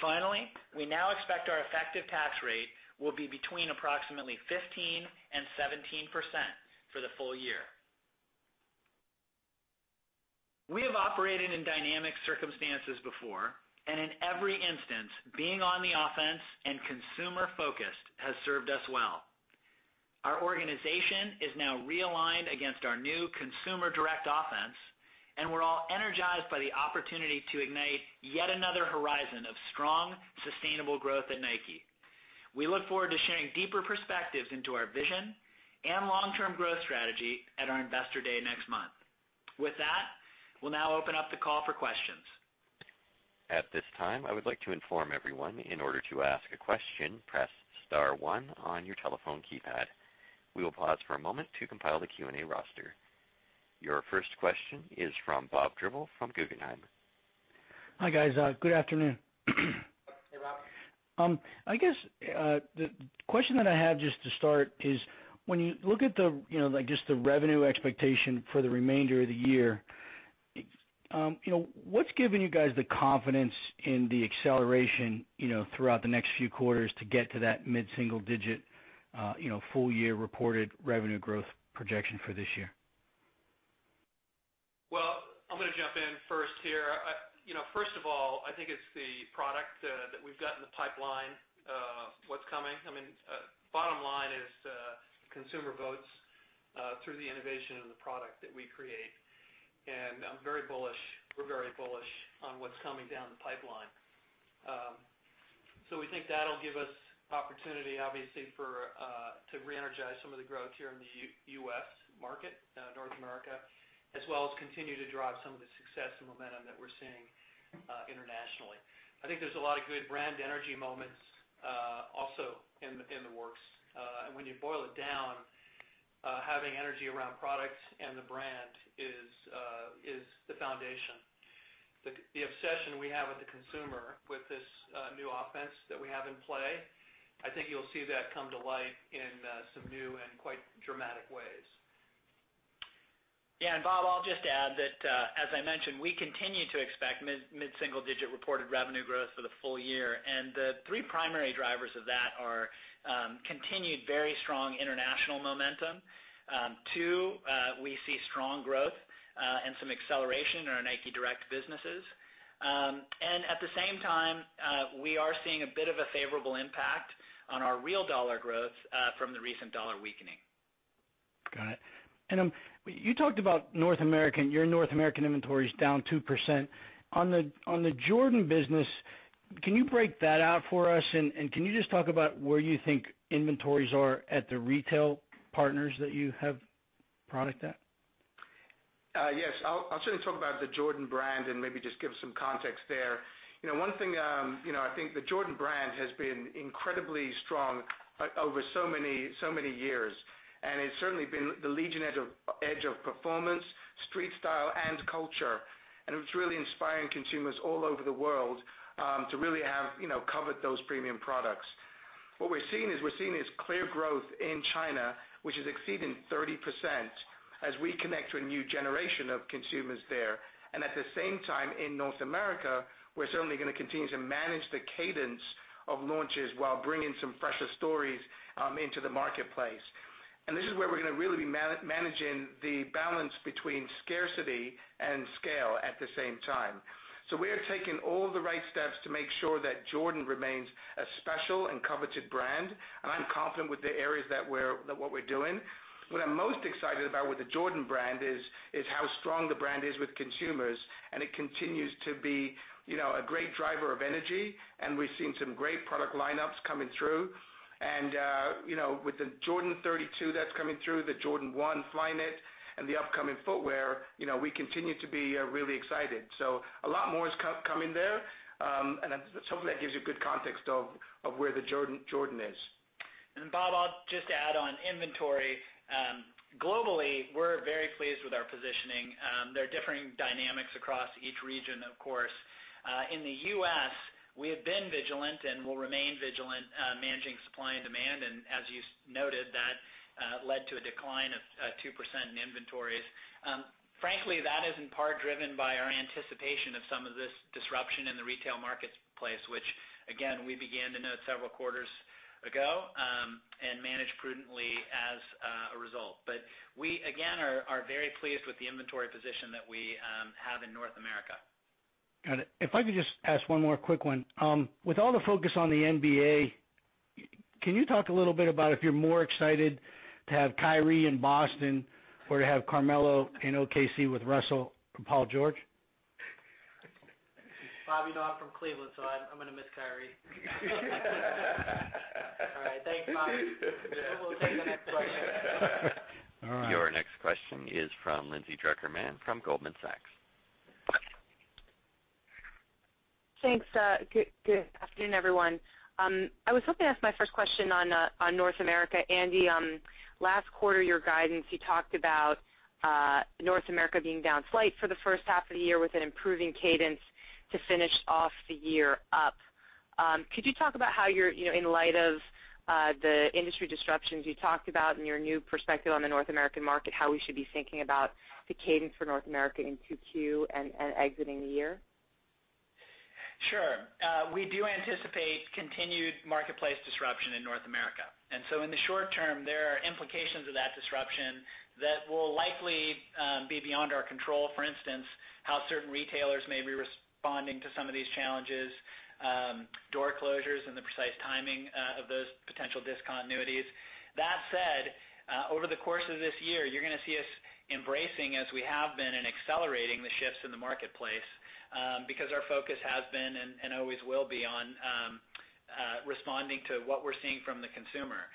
Finally, we now expect our effective tax rate will be between approximately 15% and 17% for the full year. We have operated in dynamic circumstances before, and in every instance, being on the offense and consumer-focused has served us well. Our organization is now realigned against our new Consumer Direct Offense, and we're all energized by the opportunity to ignite yet another horizon of strong, sustainable growth at Nike. We look forward to sharing deeper perspectives into our vision and long-term growth strategy at our Investor Day next month. With that, we'll now open up the call for questions. At this time, I would like to inform everyone, in order to ask a question, press *1 on your telephone keypad. We will pause for a moment to compile the Q&A roster. Your first question is from Robert Drbul from Guggenheim. Hi, guys. Good afternoon. Hey, Bob. The question that I have just to start is, when you look at just the revenue expectation for the remainder of the year, what's giving you guys the confidence in the acceleration throughout the next few quarters to get to that mid-single digit full-year reported revenue growth projection for this year? Well, I'm going to jump in first here. First of all, I think it's the product that we've got in the pipeline, what's coming. Bottom line is consumer votes through the innovation and the product that we create. We're very bullish on what's coming down the pipeline. We think that'll give us opportunity, obviously, to reenergize some of the growth here in the U.S. market, North America, as well as continue to drive some of the success and momentum that we're seeing internationally. I think there's a lot of good brand energy moments also in the works. When you boil it down Having energy around product and the brand is the foundation. The obsession we have with the consumer, with this new offense that we have in play, I think you'll see that come to light in some new and quite dramatic ways. Yeah. Bob, I'll just add that, as I mentioned, we continue to expect mid-single digit reported revenue growth for the full year. The three primary drivers of that are, continued very strong international momentum. Two, we see strong growth, and some acceleration in our Nike Direct businesses. At the same time, we are seeing a bit of a favorable impact on our real dollar growth from the recent dollar weakening. Got it. You talked about North America, and your North American inventory is down 2%. On the Jordan business, can you break that out for us? Can you just talk about where you think inventories are at the retail partners that you have product at? Yes, I'll certainly talk about the Jordan brand and maybe just give some context there. One thing, I think the Jordan brand has been incredibly strong over so many years, and it's certainly been the leading edge of performance, street style, and culture. It's really inspiring consumers all over the world to really covet those premium products. What we're seeing is clear growth in China, which is exceeding 30% as we connect to a new generation of consumers there. At the same time, in North America, we're certainly going to continue to manage the cadence of launches while bringing some fresher stories into the marketplace. This is where we're going to really be managing the balance between scarcity and scale at the same time. We are taking all the right steps to make sure that Jordan remains a special and coveted brand. I'm confident with the areas of what we're doing. What I'm most excited about with the Jordan brand is how strong the brand is with consumers, it continues to be a great driver of energy. We've seen some great product lineups coming through. With the Jordan 32 that's coming through, the Jordan 1 Flyknit, and the upcoming footwear, we continue to be really excited. A lot more is coming there. Hopefully that gives you good context of where Jordan is. Bob, I'll just add on inventory. Globally, we're very pleased with our positioning. There are differing dynamics across each region, of course. In the U.S., we have been vigilant and will remain vigilant, managing supply and demand. As you noted, that led to a decline of 2% in inventories. Frankly, that is in part driven by our anticipation of some of this disruption in the retail marketplace, which again, we began to note several quarters ago, and managed prudently as a result. We, again, are very pleased with the inventory position that we have in North America. Got it. If I could just ask one more quick one. With all the focus on the NBA, can you talk a little bit about if you're more excited to have Kyrie in Boston or to have Carmelo in OKC with Russell and Paul George? Bob, you know I'm from Cleveland, I'm going to miss Kyrie. All right. Thanks, Bob. We'll take the next question. All right. Your next question is from Lindsay Drucker Mann, from Goldman Sachs. Thanks. Good afternoon, everyone. I was hoping to ask my first question on North America. Andy, last quarter, your guidance, you talked about North America being down slight for the first half of the year with an improving cadence to finish off the year up. Could you talk about how in light of the industry disruptions you talked about and your new perspective on the North American market, how we should be thinking about the cadence for North America in 2Q and exiting the year? Sure. We do anticipate continued marketplace disruption in North America. In the short term, there are implications of that disruption that will likely be beyond our control. For instance, how certain retailers may be responding to some of these challenges, door closures and the precise timing of those potential discontinuities. That said, over the course of this year, you're going to see us embracing, as we have been, and accelerating the shifts in the marketplace, because our focus has been, and always will be, on responding to what we're seeing from the consumer.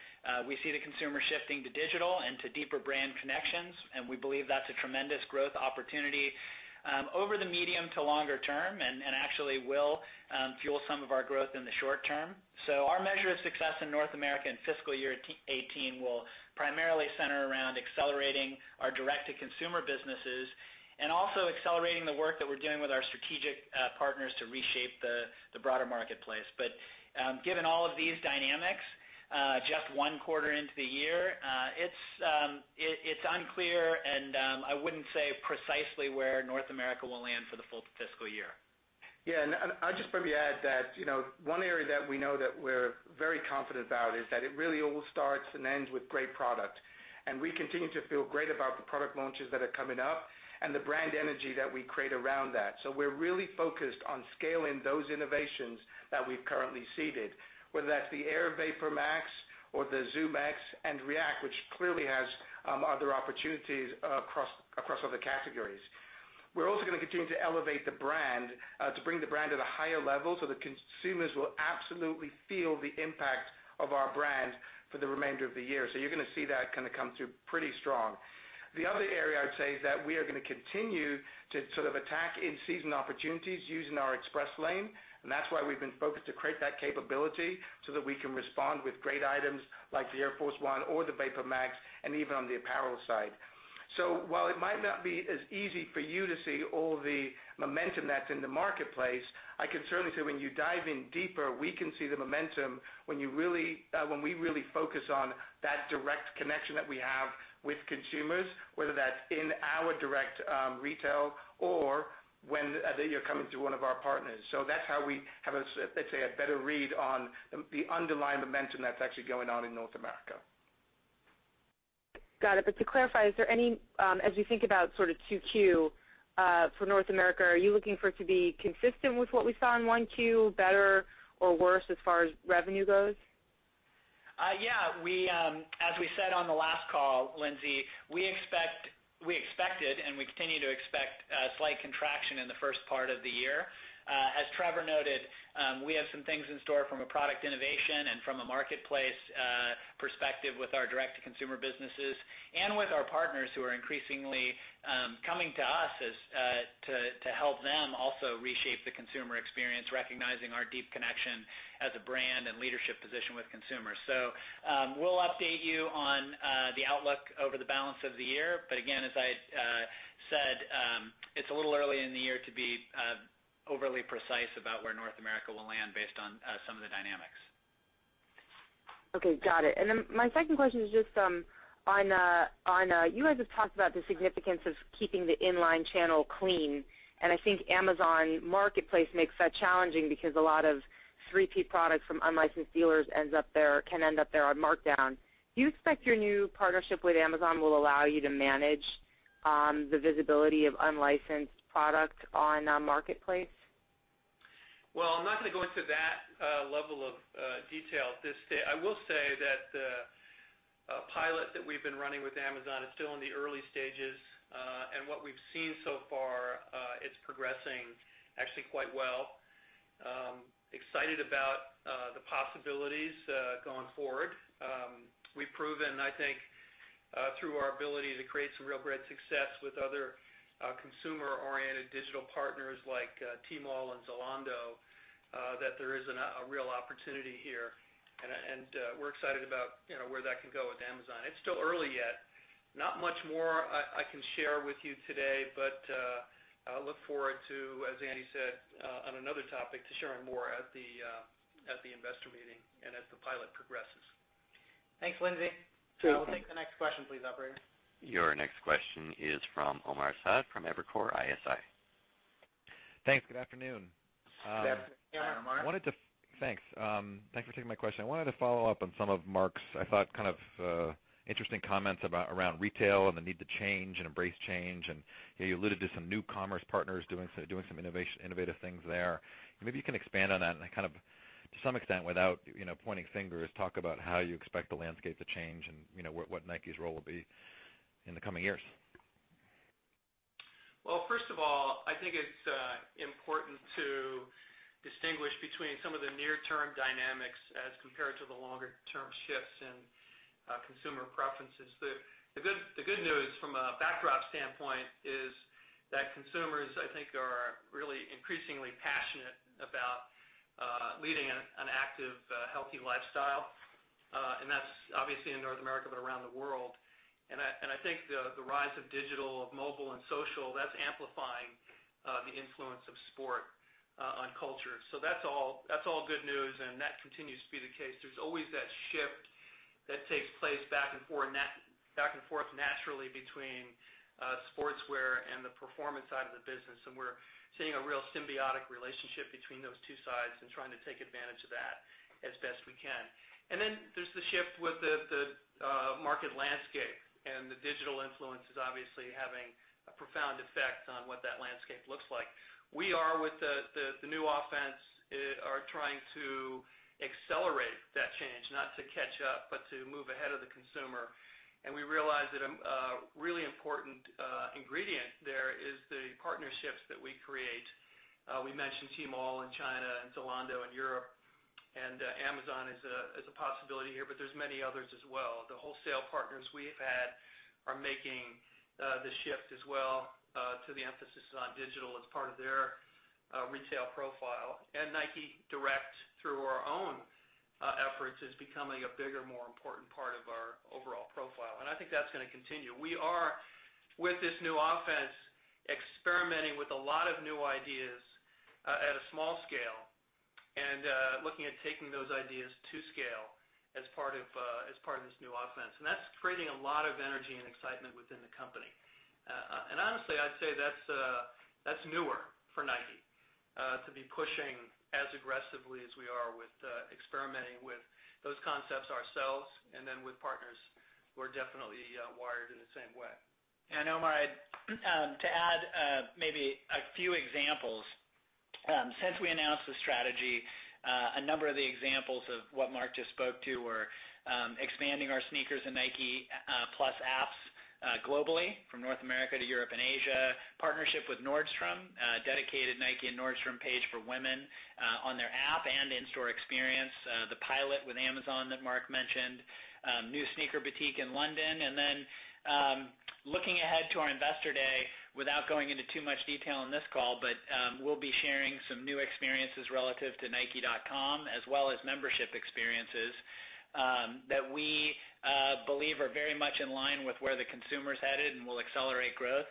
We see the consumer shifting to digital and to deeper brand connections, and we believe that's a tremendous growth opportunity, over the medium to longer term, and actually will fuel some of our growth in the short term. Our measure of success in North America in fiscal year 2018 will primarily center around accelerating our direct-to-consumer businesses and also accelerating the work that we're doing with our strategic partners to reshape the broader marketplace. Given all of these dynamics, just one quarter into the year, it's unclear and I wouldn't say precisely where North America will land for the full fiscal year. I'd just probably add that one area that we know that we're very confident about is that it really all starts and ends with great product. We continue to feel great about the product launches that are coming up and the brand energy that we create around that. We're really focused on scaling those innovations that we've currently seeded, whether that's the Air VaporMax or the ZoomX and React, which clearly has other opportunities across other categories. We're also going to continue to elevate the brand, to bring the brand at a higher level so that consumers will absolutely feel the impact of our brand for the remainder of the year. You're going to see that come through pretty strong. The other area I'd say is that we are going to continue to sort of attack in-season opportunities using our Express Lane, and that's why we've been focused to create that capability so that we can respond with great items like the Air Force 1 or the VaporMax, and even on the apparel side. While it might not be as easy for you to see all the momentum that's in the marketplace, I can certainly say when you dive in deeper, we can see the momentum when we really focus on that direct connection that we have with consumers, whether that's in our direct retail or when they are coming through one of our partners. That's how we have a, let's say, a better read on the underlying momentum that's actually going on in North America. Got it. To clarify, as we think about sort of 2Q for North America, are you looking for it to be consistent with what we saw in 1Q, better or worse as far as revenue goes? Yeah. As we said on the last call, Lindsay, we expected, and we continue to expect, a slight contraction in the first part of the year. As Trevor noted, we have some things in store from a product innovation and from a marketplace perspective with our direct-to-consumer businesses and with our partners who are increasingly coming to us to help them also reshape the consumer experience, recognizing our deep connection as a brand and leadership position with consumers. We'll update you on the outlook over the balance of the year, as I said, it's a little early in the year to be overly precise about where North America will land based on some of the dynamics. Okay, got it. My second question is just on, you guys have talked about the significance of keeping the inline channel clean, I think Amazon Marketplace makes that challenging because a lot of 3P products from unlicensed dealers can end up there on markdown. Do you expect your new partnership with Amazon will allow you to manage the visibility of unlicensed product on Marketplace? Well, I'm not going to go into that level of detail at this stage. I will say that the pilot that we've been running with Amazon is still in the early stages. What we've seen so far, it's progressing actually quite well. Excited about the possibilities going forward. We've proven, I think, through our ability to create some real great success with other consumer-oriented digital partners like Tmall and Zalando, that there is a real opportunity here, we're excited about where that can go with Amazon. It's still early yet. Not much more I can share with you today, I look forward to, as Andy said, on another topic, to sharing more at the investor meeting and as the pilot progresses. Thanks, Lindsay. We'll take the next question please, operator. Your next question is from Omar Saad from Evercore ISI. Thanks. Good afternoon. Good afternoon, Omar. Thanks for taking my question. I wanted to follow up on some of Mark's, I thought, kind of interesting comments around retail and the need to change and embrace change. You alluded to some new commerce partners doing some innovative things there. Maybe you can expand on that and kind of, to some extent, without pointing fingers, talk about how you expect the landscape to change and what Nike's role will be in the coming years. First of all, I think it's important to distinguish between some of the near-term dynamics as compared to the longer-term shifts in consumer preferences. The good news from a backdrop standpoint is that consumers, I think, are really increasingly passionate about leading an active, healthy lifestyle. That's obviously in North America, but around the world. I think the rise of digital, of mobile and social, that's amplifying the influence of sport on culture. That's all good news, and that continues to be the case. There's always that shift that takes place back and forth naturally between sportswear and the performance side of the business, and we're seeing a real symbiotic relationship between those two sides and trying to take advantage of that as best we can. Then there's the shift with the market landscape and the digital influence is obviously having a profound effect on what that landscape looks like. We are, with the new offense, trying to accelerate that change, not to catch up, but to move ahead of the consumer. We realize that a really important ingredient there is the partnerships that we create. We mentioned Tmall in China and Zalando in Europe, and Amazon is a possibility here, but there's many others as well. The wholesale partners we've had are making the shift as well to the emphasis on digital as part of their retail profile. Nike Direct, through our own efforts, is becoming a bigger, more important part of our overall profile. I think that's going to continue. We are, with this new offense, experimenting with a lot of new ideas at a small scale and looking at taking those ideas to scale as part of this new offense. That's creating a lot of energy and excitement within the company. Honestly, I'd say that's newer for Nike, to be pushing as aggressively as we are with experimenting with those concepts ourselves and then with partners who are definitely wired in the same way. Omar, to add maybe a few examples Since we announced the strategy, a number of the examples of what Mark just spoke to were expanding our SNKRS and Nike+ apps globally from North America to Europe and Asia, partnership with Nordstrom, dedicated Nike and Nordstrom page for women on their app and in-store experience, the pilot with Amazon that Mark mentioned, new sneaker boutique in London. Then, looking ahead to our Investor Day, without going into too much detail on this call, but we'll be sharing some new experiences relative to nike.com as well as membership experiences that we believe are very much in line with where the consumer's headed and will accelerate growth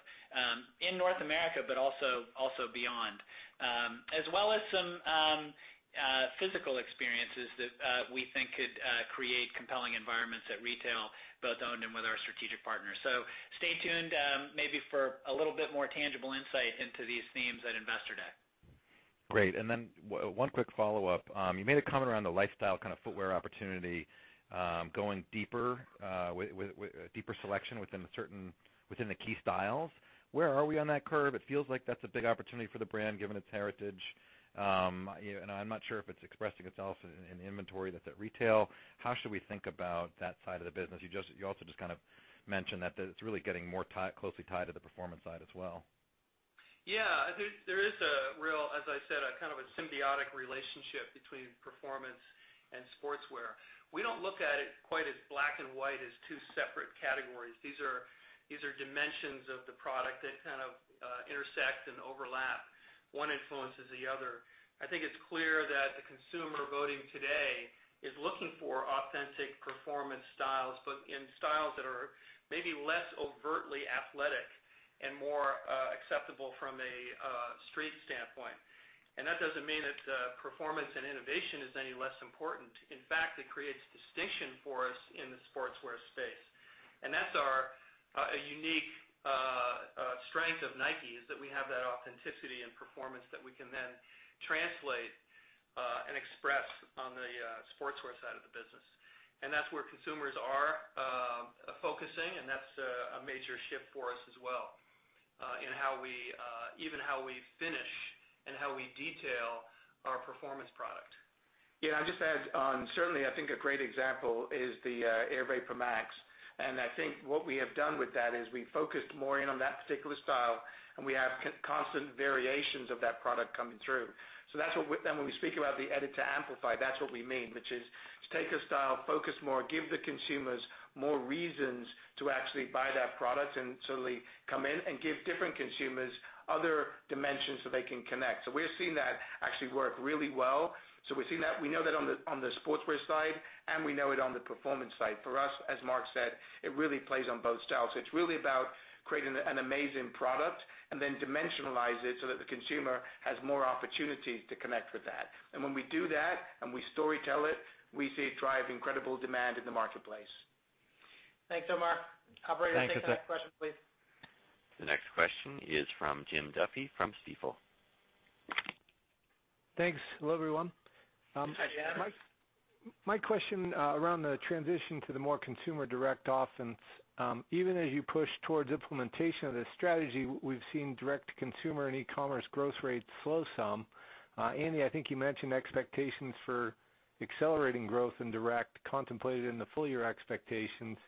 in North America, but also beyond. Some physical experiences that we think could create compelling environments at retail, both owned and with our strategic partners. Stay tuned, maybe for a little bit more tangible insight into these themes at Investor Day. Great. Then one quick follow-up. You made a comment around the lifestyle kind of footwear opportunity, going deeper with a deeper selection within the key styles. Where are we on that curve? It feels like that's a big opportunity for the brand, given its heritage. I'm not sure if it's expressing itself in inventory that's at retail. How should we think about that side of the business? You also just kind of mentioned that it's really getting more closely tied to the performance side as well. Yeah. There is a real, as I said, a kind of a symbiotic relationship between performance and sportswear. We don't look at it quite as black and white as two separate categories. These are dimensions of the product that kind of intersect and overlap. One influences the other. I think it's clear that the consumer voting today is looking for authentic performance styles, but in styles that are maybe less overtly athletic and more acceptable from a street standpoint. That doesn't mean that performance and innovation is any less important. In fact, it creates distinction for us in the sportswear space. That's our unique strength of Nike, is that we have that authenticity and performance that we can then translate and express on the sportswear side of the business. That's where consumers are focusing, and that's a major shift for us as well in even how we finish and how we detail our performance product. I'd just add on, certainly, I think a great example is the Air VaporMax. I think what we have done with that is we focused more in on that particular style, and we have constant variations of that product coming through. When we speak about the edit to amplify, that's what we mean, which is to take a style, focus more, give the consumers more reasons to actually buy that product, and certainly come in and give different consumers other dimensions so they can connect. We've seen that actually work really well. We've seen that, we know that on the sportswear side, and we know it on the performance side. For us, as Mark said, it really plays on both styles. It's really about creating an amazing product and then dimensionalize it so that the consumer has more opportunities to connect with that. When we do that and we story tell it, we see it drive incredible demand in the marketplace. Thanks, Omar. Operator, take the next question, please. The next question is from Jim Duffy from Stifel. Thanks. Hello, everyone. Hi, Jim. My question around the transition to the more Consumer Direct Offense. Even as you push towards implementation of this strategy, we've seen direct-to-consumer and e-commerce growth rates slow some. Andy, I think you mentioned expectations for accelerating growth in direct contemplated in the full-year expectations.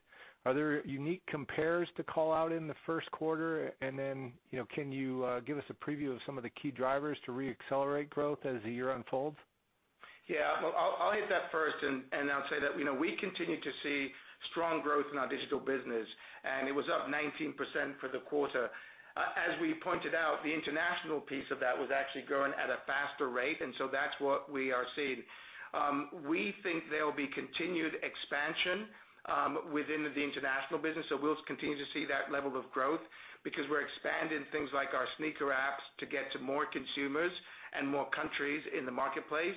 Are there unique compares to call out in the first quarter? Then, can you give us a preview of some of the key drivers to re-accelerate growth as the year unfolds? Well, I'll hit that first, I'll say that, we continue to see strong growth in our digital business, it was up 19% for the quarter. As we pointed out, the international piece of that was actually growing at a faster rate, that's what we are seeing. We think there'll be continued expansion within the international business. We'll continue to see that level of growth because we're expanding things like our SNKRS apps to get to more consumers and more countries in the marketplace.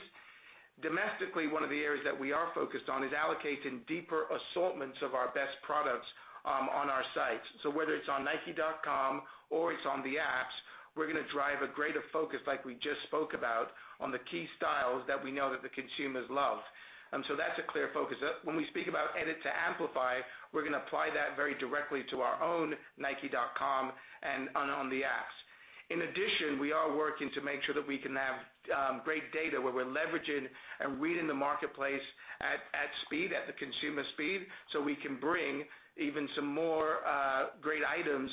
Domestically, one of the areas that we are focused on is allocating deeper assortments of our best products on our sites. Whether it's on nike.com or it's on the apps, we're going to drive a greater focus, like we just spoke about, on the key styles that we know that the consumers love. That's a clear focus. When we speak about edit to amplify, we're going to apply that very directly to our own nike.com and on the apps. In addition, we are working to make sure that we can have great data where we're leveraging and reading the marketplace at speed, at the consumer speed, so we can bring even some more great items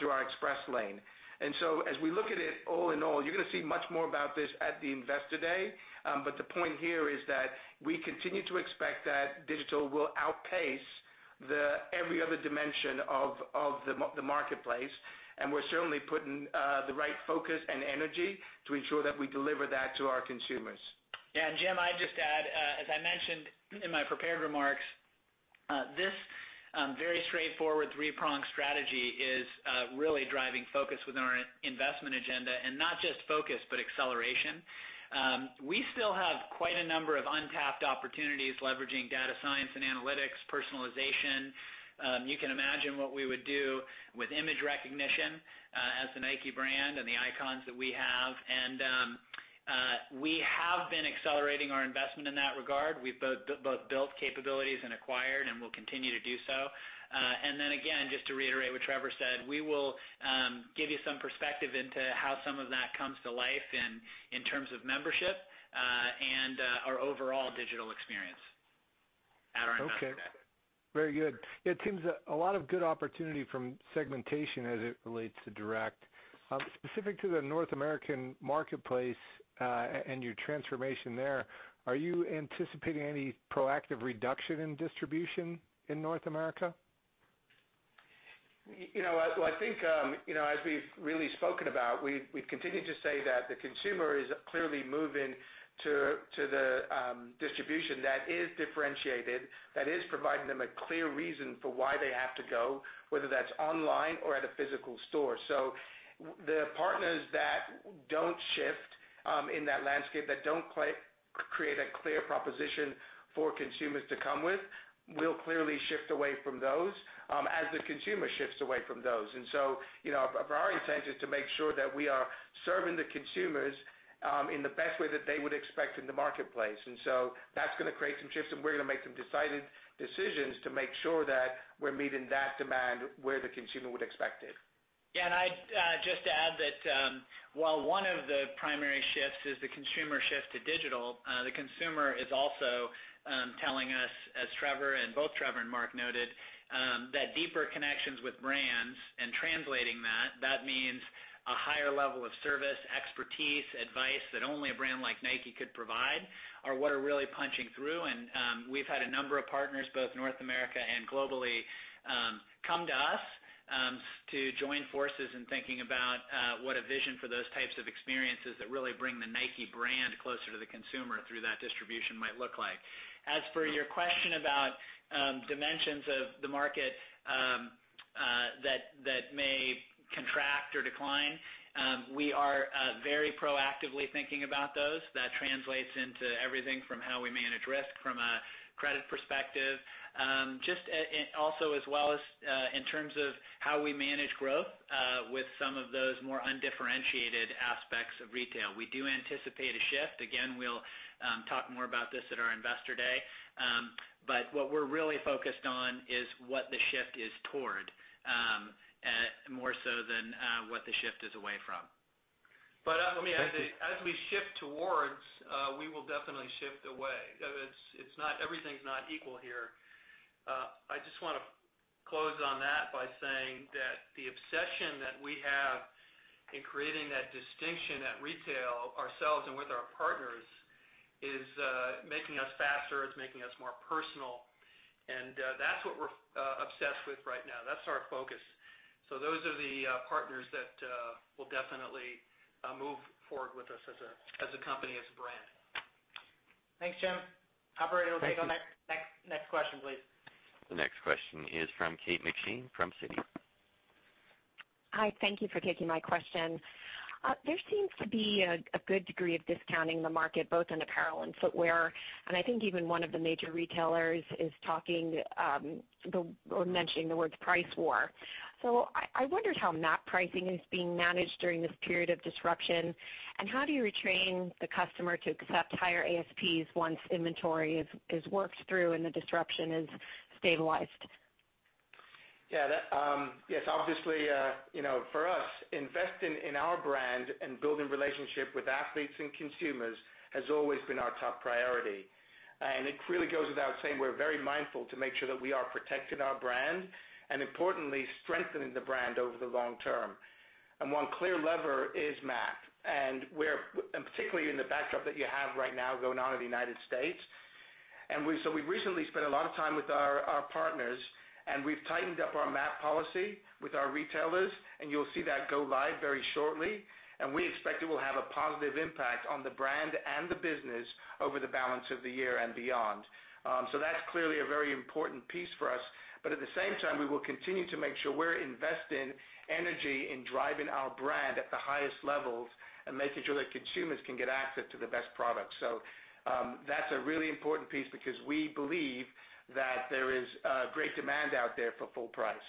through our Express Lane. As we look at it, all in all, you're going to see much more about this at the Investor Day. The point here is that we continue to expect that digital will outpace every other dimension of the marketplace, we're certainly putting the right focus and energy to ensure that we deliver that to our consumers. Jim, I'd just add, as I mentioned in my prepared remarks, this very straightforward three-pronged strategy is really driving focus within our investment agenda, not just focus, but acceleration. We still have quite a number of untapped opportunities leveraging data science and analytics, personalization. You can imagine what we would do with image recognition as the Nike brand and the icons that we have. We have been accelerating our investment in that regard. We've both built capabilities and acquired, and we'll continue to do so. Again, just to reiterate what Trevor said, we will give you some perspective into how some of that comes to life in terms of membership, and our overall digital experience at our Investor Day. Okay. Very good. It seems a lot of good opportunity from segmentation as it relates to direct. Specific to the North American marketplace, and your transformation there, are you anticipating any proactive reduction in distribution in North America? I think, as we've really spoken about, we've continued to say that the consumer is clearly moving to the distribution that is differentiated, that is providing them a clear reason for why they have to go, whether that's online or at a physical store. The partners that don't shift, in that landscape, that don't create a clear proposition for consumers to come with, we'll clearly shift away from those, as the consumer shifts away from those. Our priority and intent is to make sure that we are serving the consumers, in the best way that they would expect in the marketplace. That's going to create some shifts, and we're going to make some decided decisions to make sure that we're meeting that demand where the consumer would expect it. I'd just add that, while one of the primary shifts is the consumer shift to digital, the consumer is also telling us, as both Trevor and Mark noted, that deeper connections with brands and translating that means a higher level of service, expertise, advice that only a brand like Nike could provide, are what are really punching through. We've had a number of partners, both North America and globally, come to us to join forces in thinking about what a vision for those types of experiences that really bring the Nike brand closer to the consumer through that distribution might look like. As for your question about dimensions of the market that may contract or decline, we are very proactively thinking about those. That translates into everything from how we manage risk from a credit perspective, just also as well as in terms of how we manage growth with some of those more undifferentiated aspects of retail. We do anticipate a shift. Again, we'll talk more about this at our Investor Day. What we're really focused on is what the shift is toward, more so than what the shift is away from. As we shift towards, we will definitely shift away. Everything's not equal here. I just want to close on that by saying that the obsession that we have in creating that distinction at retail ourselves and with our partners is making us faster, it's making us more personal. That's what we're obsessed with right now. That's our focus. Those are the partners that will definitely move forward with us as a company, as a brand. Thanks, Jim. Operator, we'll take our next question, please. The next question is from Kate McShane from Citi. Hi. Thank you for taking my question. There seems to be a good degree of discounting in the market, both in apparel and footwear, and I think even one of the major retailers is talking or mentioning the words price war. I wondered how MAP pricing is being managed during this period of disruption, and how do you retrain the customer to accept higher ASPs once inventory is worked through and the disruption is stabilized? Yes. Obviously, for us, investing in our brand and building relationship with athletes and consumers has always been our top priority. It really goes without saying, we're very mindful to make sure that we are protecting our brand, and importantly, strengthening the brand over the long term. One clear lever is MAP, and particularly in the backdrop that you have right now going on in the United States. We've recently spent a lot of time with our partners, and we've tightened up our MAP policy with our retailers, and you'll see that go live very shortly. We expect it will have a positive impact on the brand and the business over the balance of the year and beyond. That's clearly a very important piece for us. At the same time, we will continue to make sure we're investing energy in driving our brand at the highest levels and making sure that consumers can get access to the best products. That's a really important piece because we believe that there is great demand out there for full price.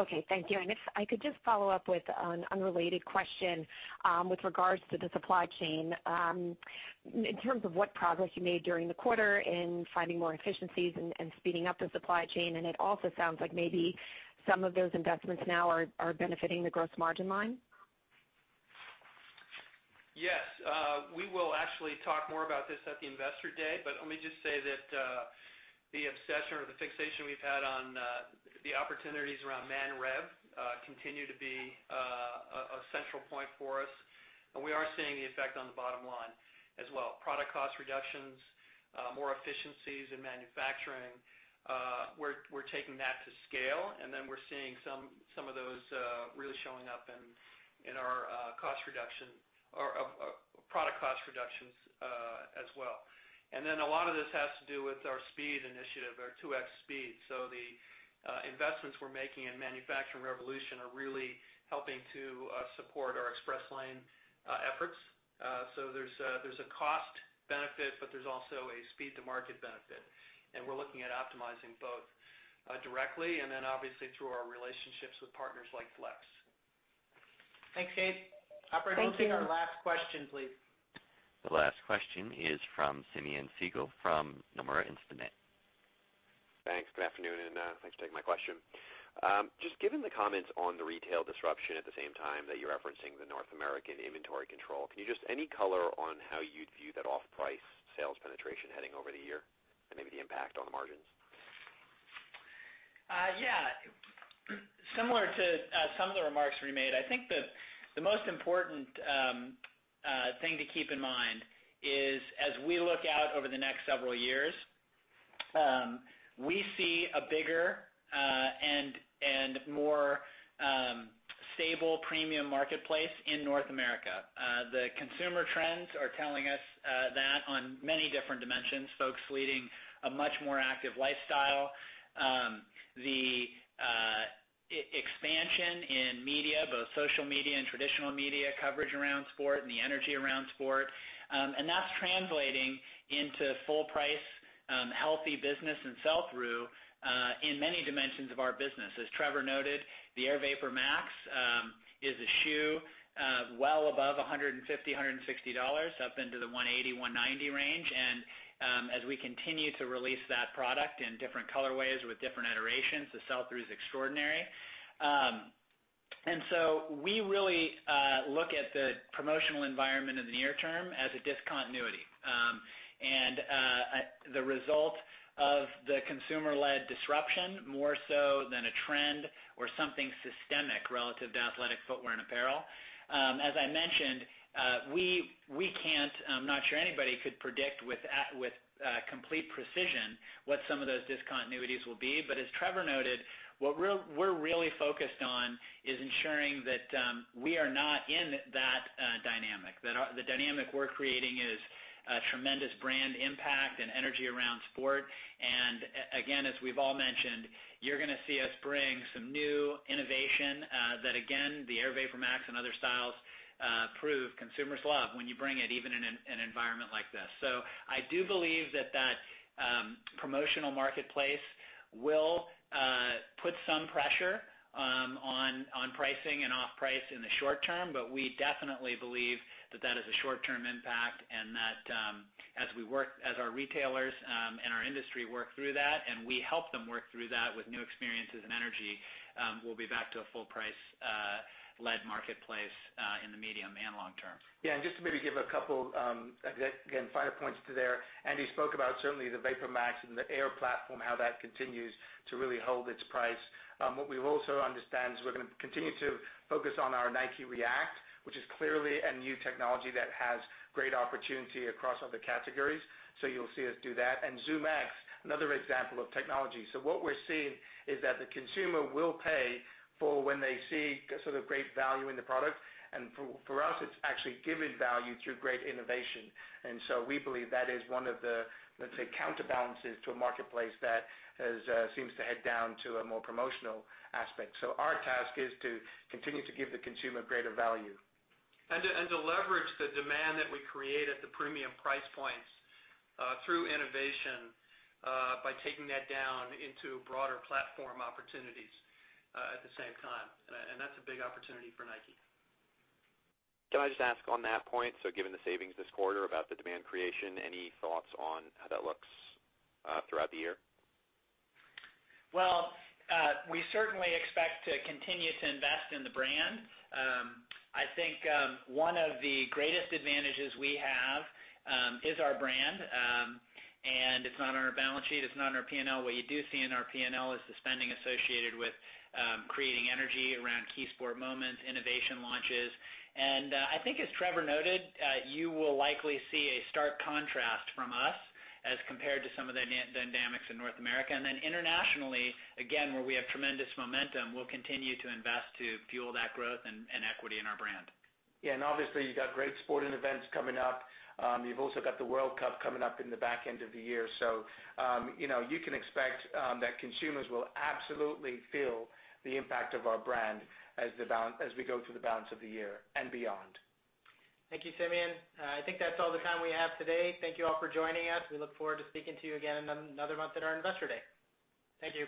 Okay, thank you. If I could just follow up with an unrelated question with regards to the supply chain. In terms of what progress you made during the quarter in finding more efficiencies and speeding up the supply chain, it also sounds like maybe some of those investments now are benefiting the gross margin line. Yes. We will actually talk more about this at the Investor Day, let me just say that the obsession or the fixation we've had on the opportunities around Manufacturing Revolution, continue to be a central point for us. We are seeing the effect on the bottom line as well. Product cost reductions, more efficiencies in manufacturing, we're taking that to scale, we're seeing some of those really showing up in our product cost reductions as well. A lot of this has to do with our speed initiative, our 2X Speed. The investments we're making in Manufacturing Revolution are really helping to support our Express Lane efforts. There's a cost benefit, there's also a speed to market benefit. We're looking at optimizing both directly and obviously through our relationships with partners like Flex. Thanks, Kate. Thank you. Operator, we'll take our last question, please. The last question is from Simeon Siegel from Nomura Instinet. Thanks. Good afternoon. Thanks for taking my question. Just given the comments on the retail disruption at the same time that you're referencing the North American inventory control, can you just any color on how you'd view that off-price sales penetration heading over the year and maybe the impact on the margins? Yeah. Similar to some of the remarks we made, I think the most important thing to keep in mind is, as we look out over the next several years, we see a bigger, and more stable premium marketplace in North America. The consumer trends are telling us that on many different dimensions, folks leading a much more active lifestyle. The expansion in media, both social media and traditional media coverage around sport and the energy around sport. That's translating into full price, healthy business and sell-through, in many dimensions of our business. As Trevor noted, the Air VaporMax is a shoe well above $150, $160, up into the $180, $190 range. As we continue to release that product in different colorways with different iterations, the sell-through is extraordinary. We really, look at the promotional environment in the near term as a discontinuity. The result of the consumer-led disruption, more so than a trend or something systemic relative to athletic footwear and apparel. As I mentioned, I'm not sure anybody could predict with complete precision what some of those discontinuities will be. As Trevor noted, what we're really focused on is ensuring that we are not in that dynamic. The dynamic we're creating is a tremendous brand impact and energy around sport. Again, as we've all mentioned, you're going to see us bring some new innovation, that again, the Air VaporMax and other styles prove consumers love when you bring it even in an environment like this. I do believe that promotional marketplace will put some pressure on pricing and off-price in the short term, we definitely believe that is a short-term impact and that as our retailers and our industry work through that, and we help them work through that with new experiences and energy, we'll be back to a full price-led marketplace in the medium and long term. Just to maybe give a couple, again, finer points there. Andy spoke about certainly the VaporMax and the Air platform, how that continues to really hold its price. What we also understand is we're going to continue to focus on our Nike React, which is clearly a new technology that has great opportunity across all the categories. You'll see us do that. ZoomX, another example of technology. What we're seeing is that the consumer will pay for when they see sort of great value in the product. For us, it's actually giving value through great innovation. We believe that is one of the, let's say, counterbalances to a marketplace that seems to head down to a more promotional aspect. Our task is to continue to give the consumer greater value. To leverage the demand that we create at the premium price points through innovation, by taking that down into broader platform opportunities at the same time. That's a big opportunity for Nike. Can I just ask on that point, given the savings this quarter about the demand creation, any thoughts on how that looks throughout the year? Well, we certainly expect to continue to invest in the brand. I think one of the greatest advantages we have, is our brand. It's not on our balance sheet. It's not on our P&L. What you do see in our P&L is the spending associated with creating energy around key sport moments, innovation launches. I think as Trevor noted, you will likely see a stark contrast from us as compared to some of the dynamics in North America. Then internationally, again, where we have tremendous momentum, we'll continue to invest to fuel that growth and equity in our brand. Yeah, obviously you've got great sporting events coming up. You've also got the World Cup coming up in the back end of the year. You can expect that consumers will absolutely feel the impact of our brand as we go through the balance of the year and beyond. Thank you, Simeon. I think that's all the time we have today. Thank you all for joining us. We look forward to speaking to you again in another month at our Investor Day. Thank you.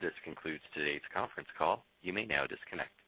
This concludes today's conference call. You may now disconnect.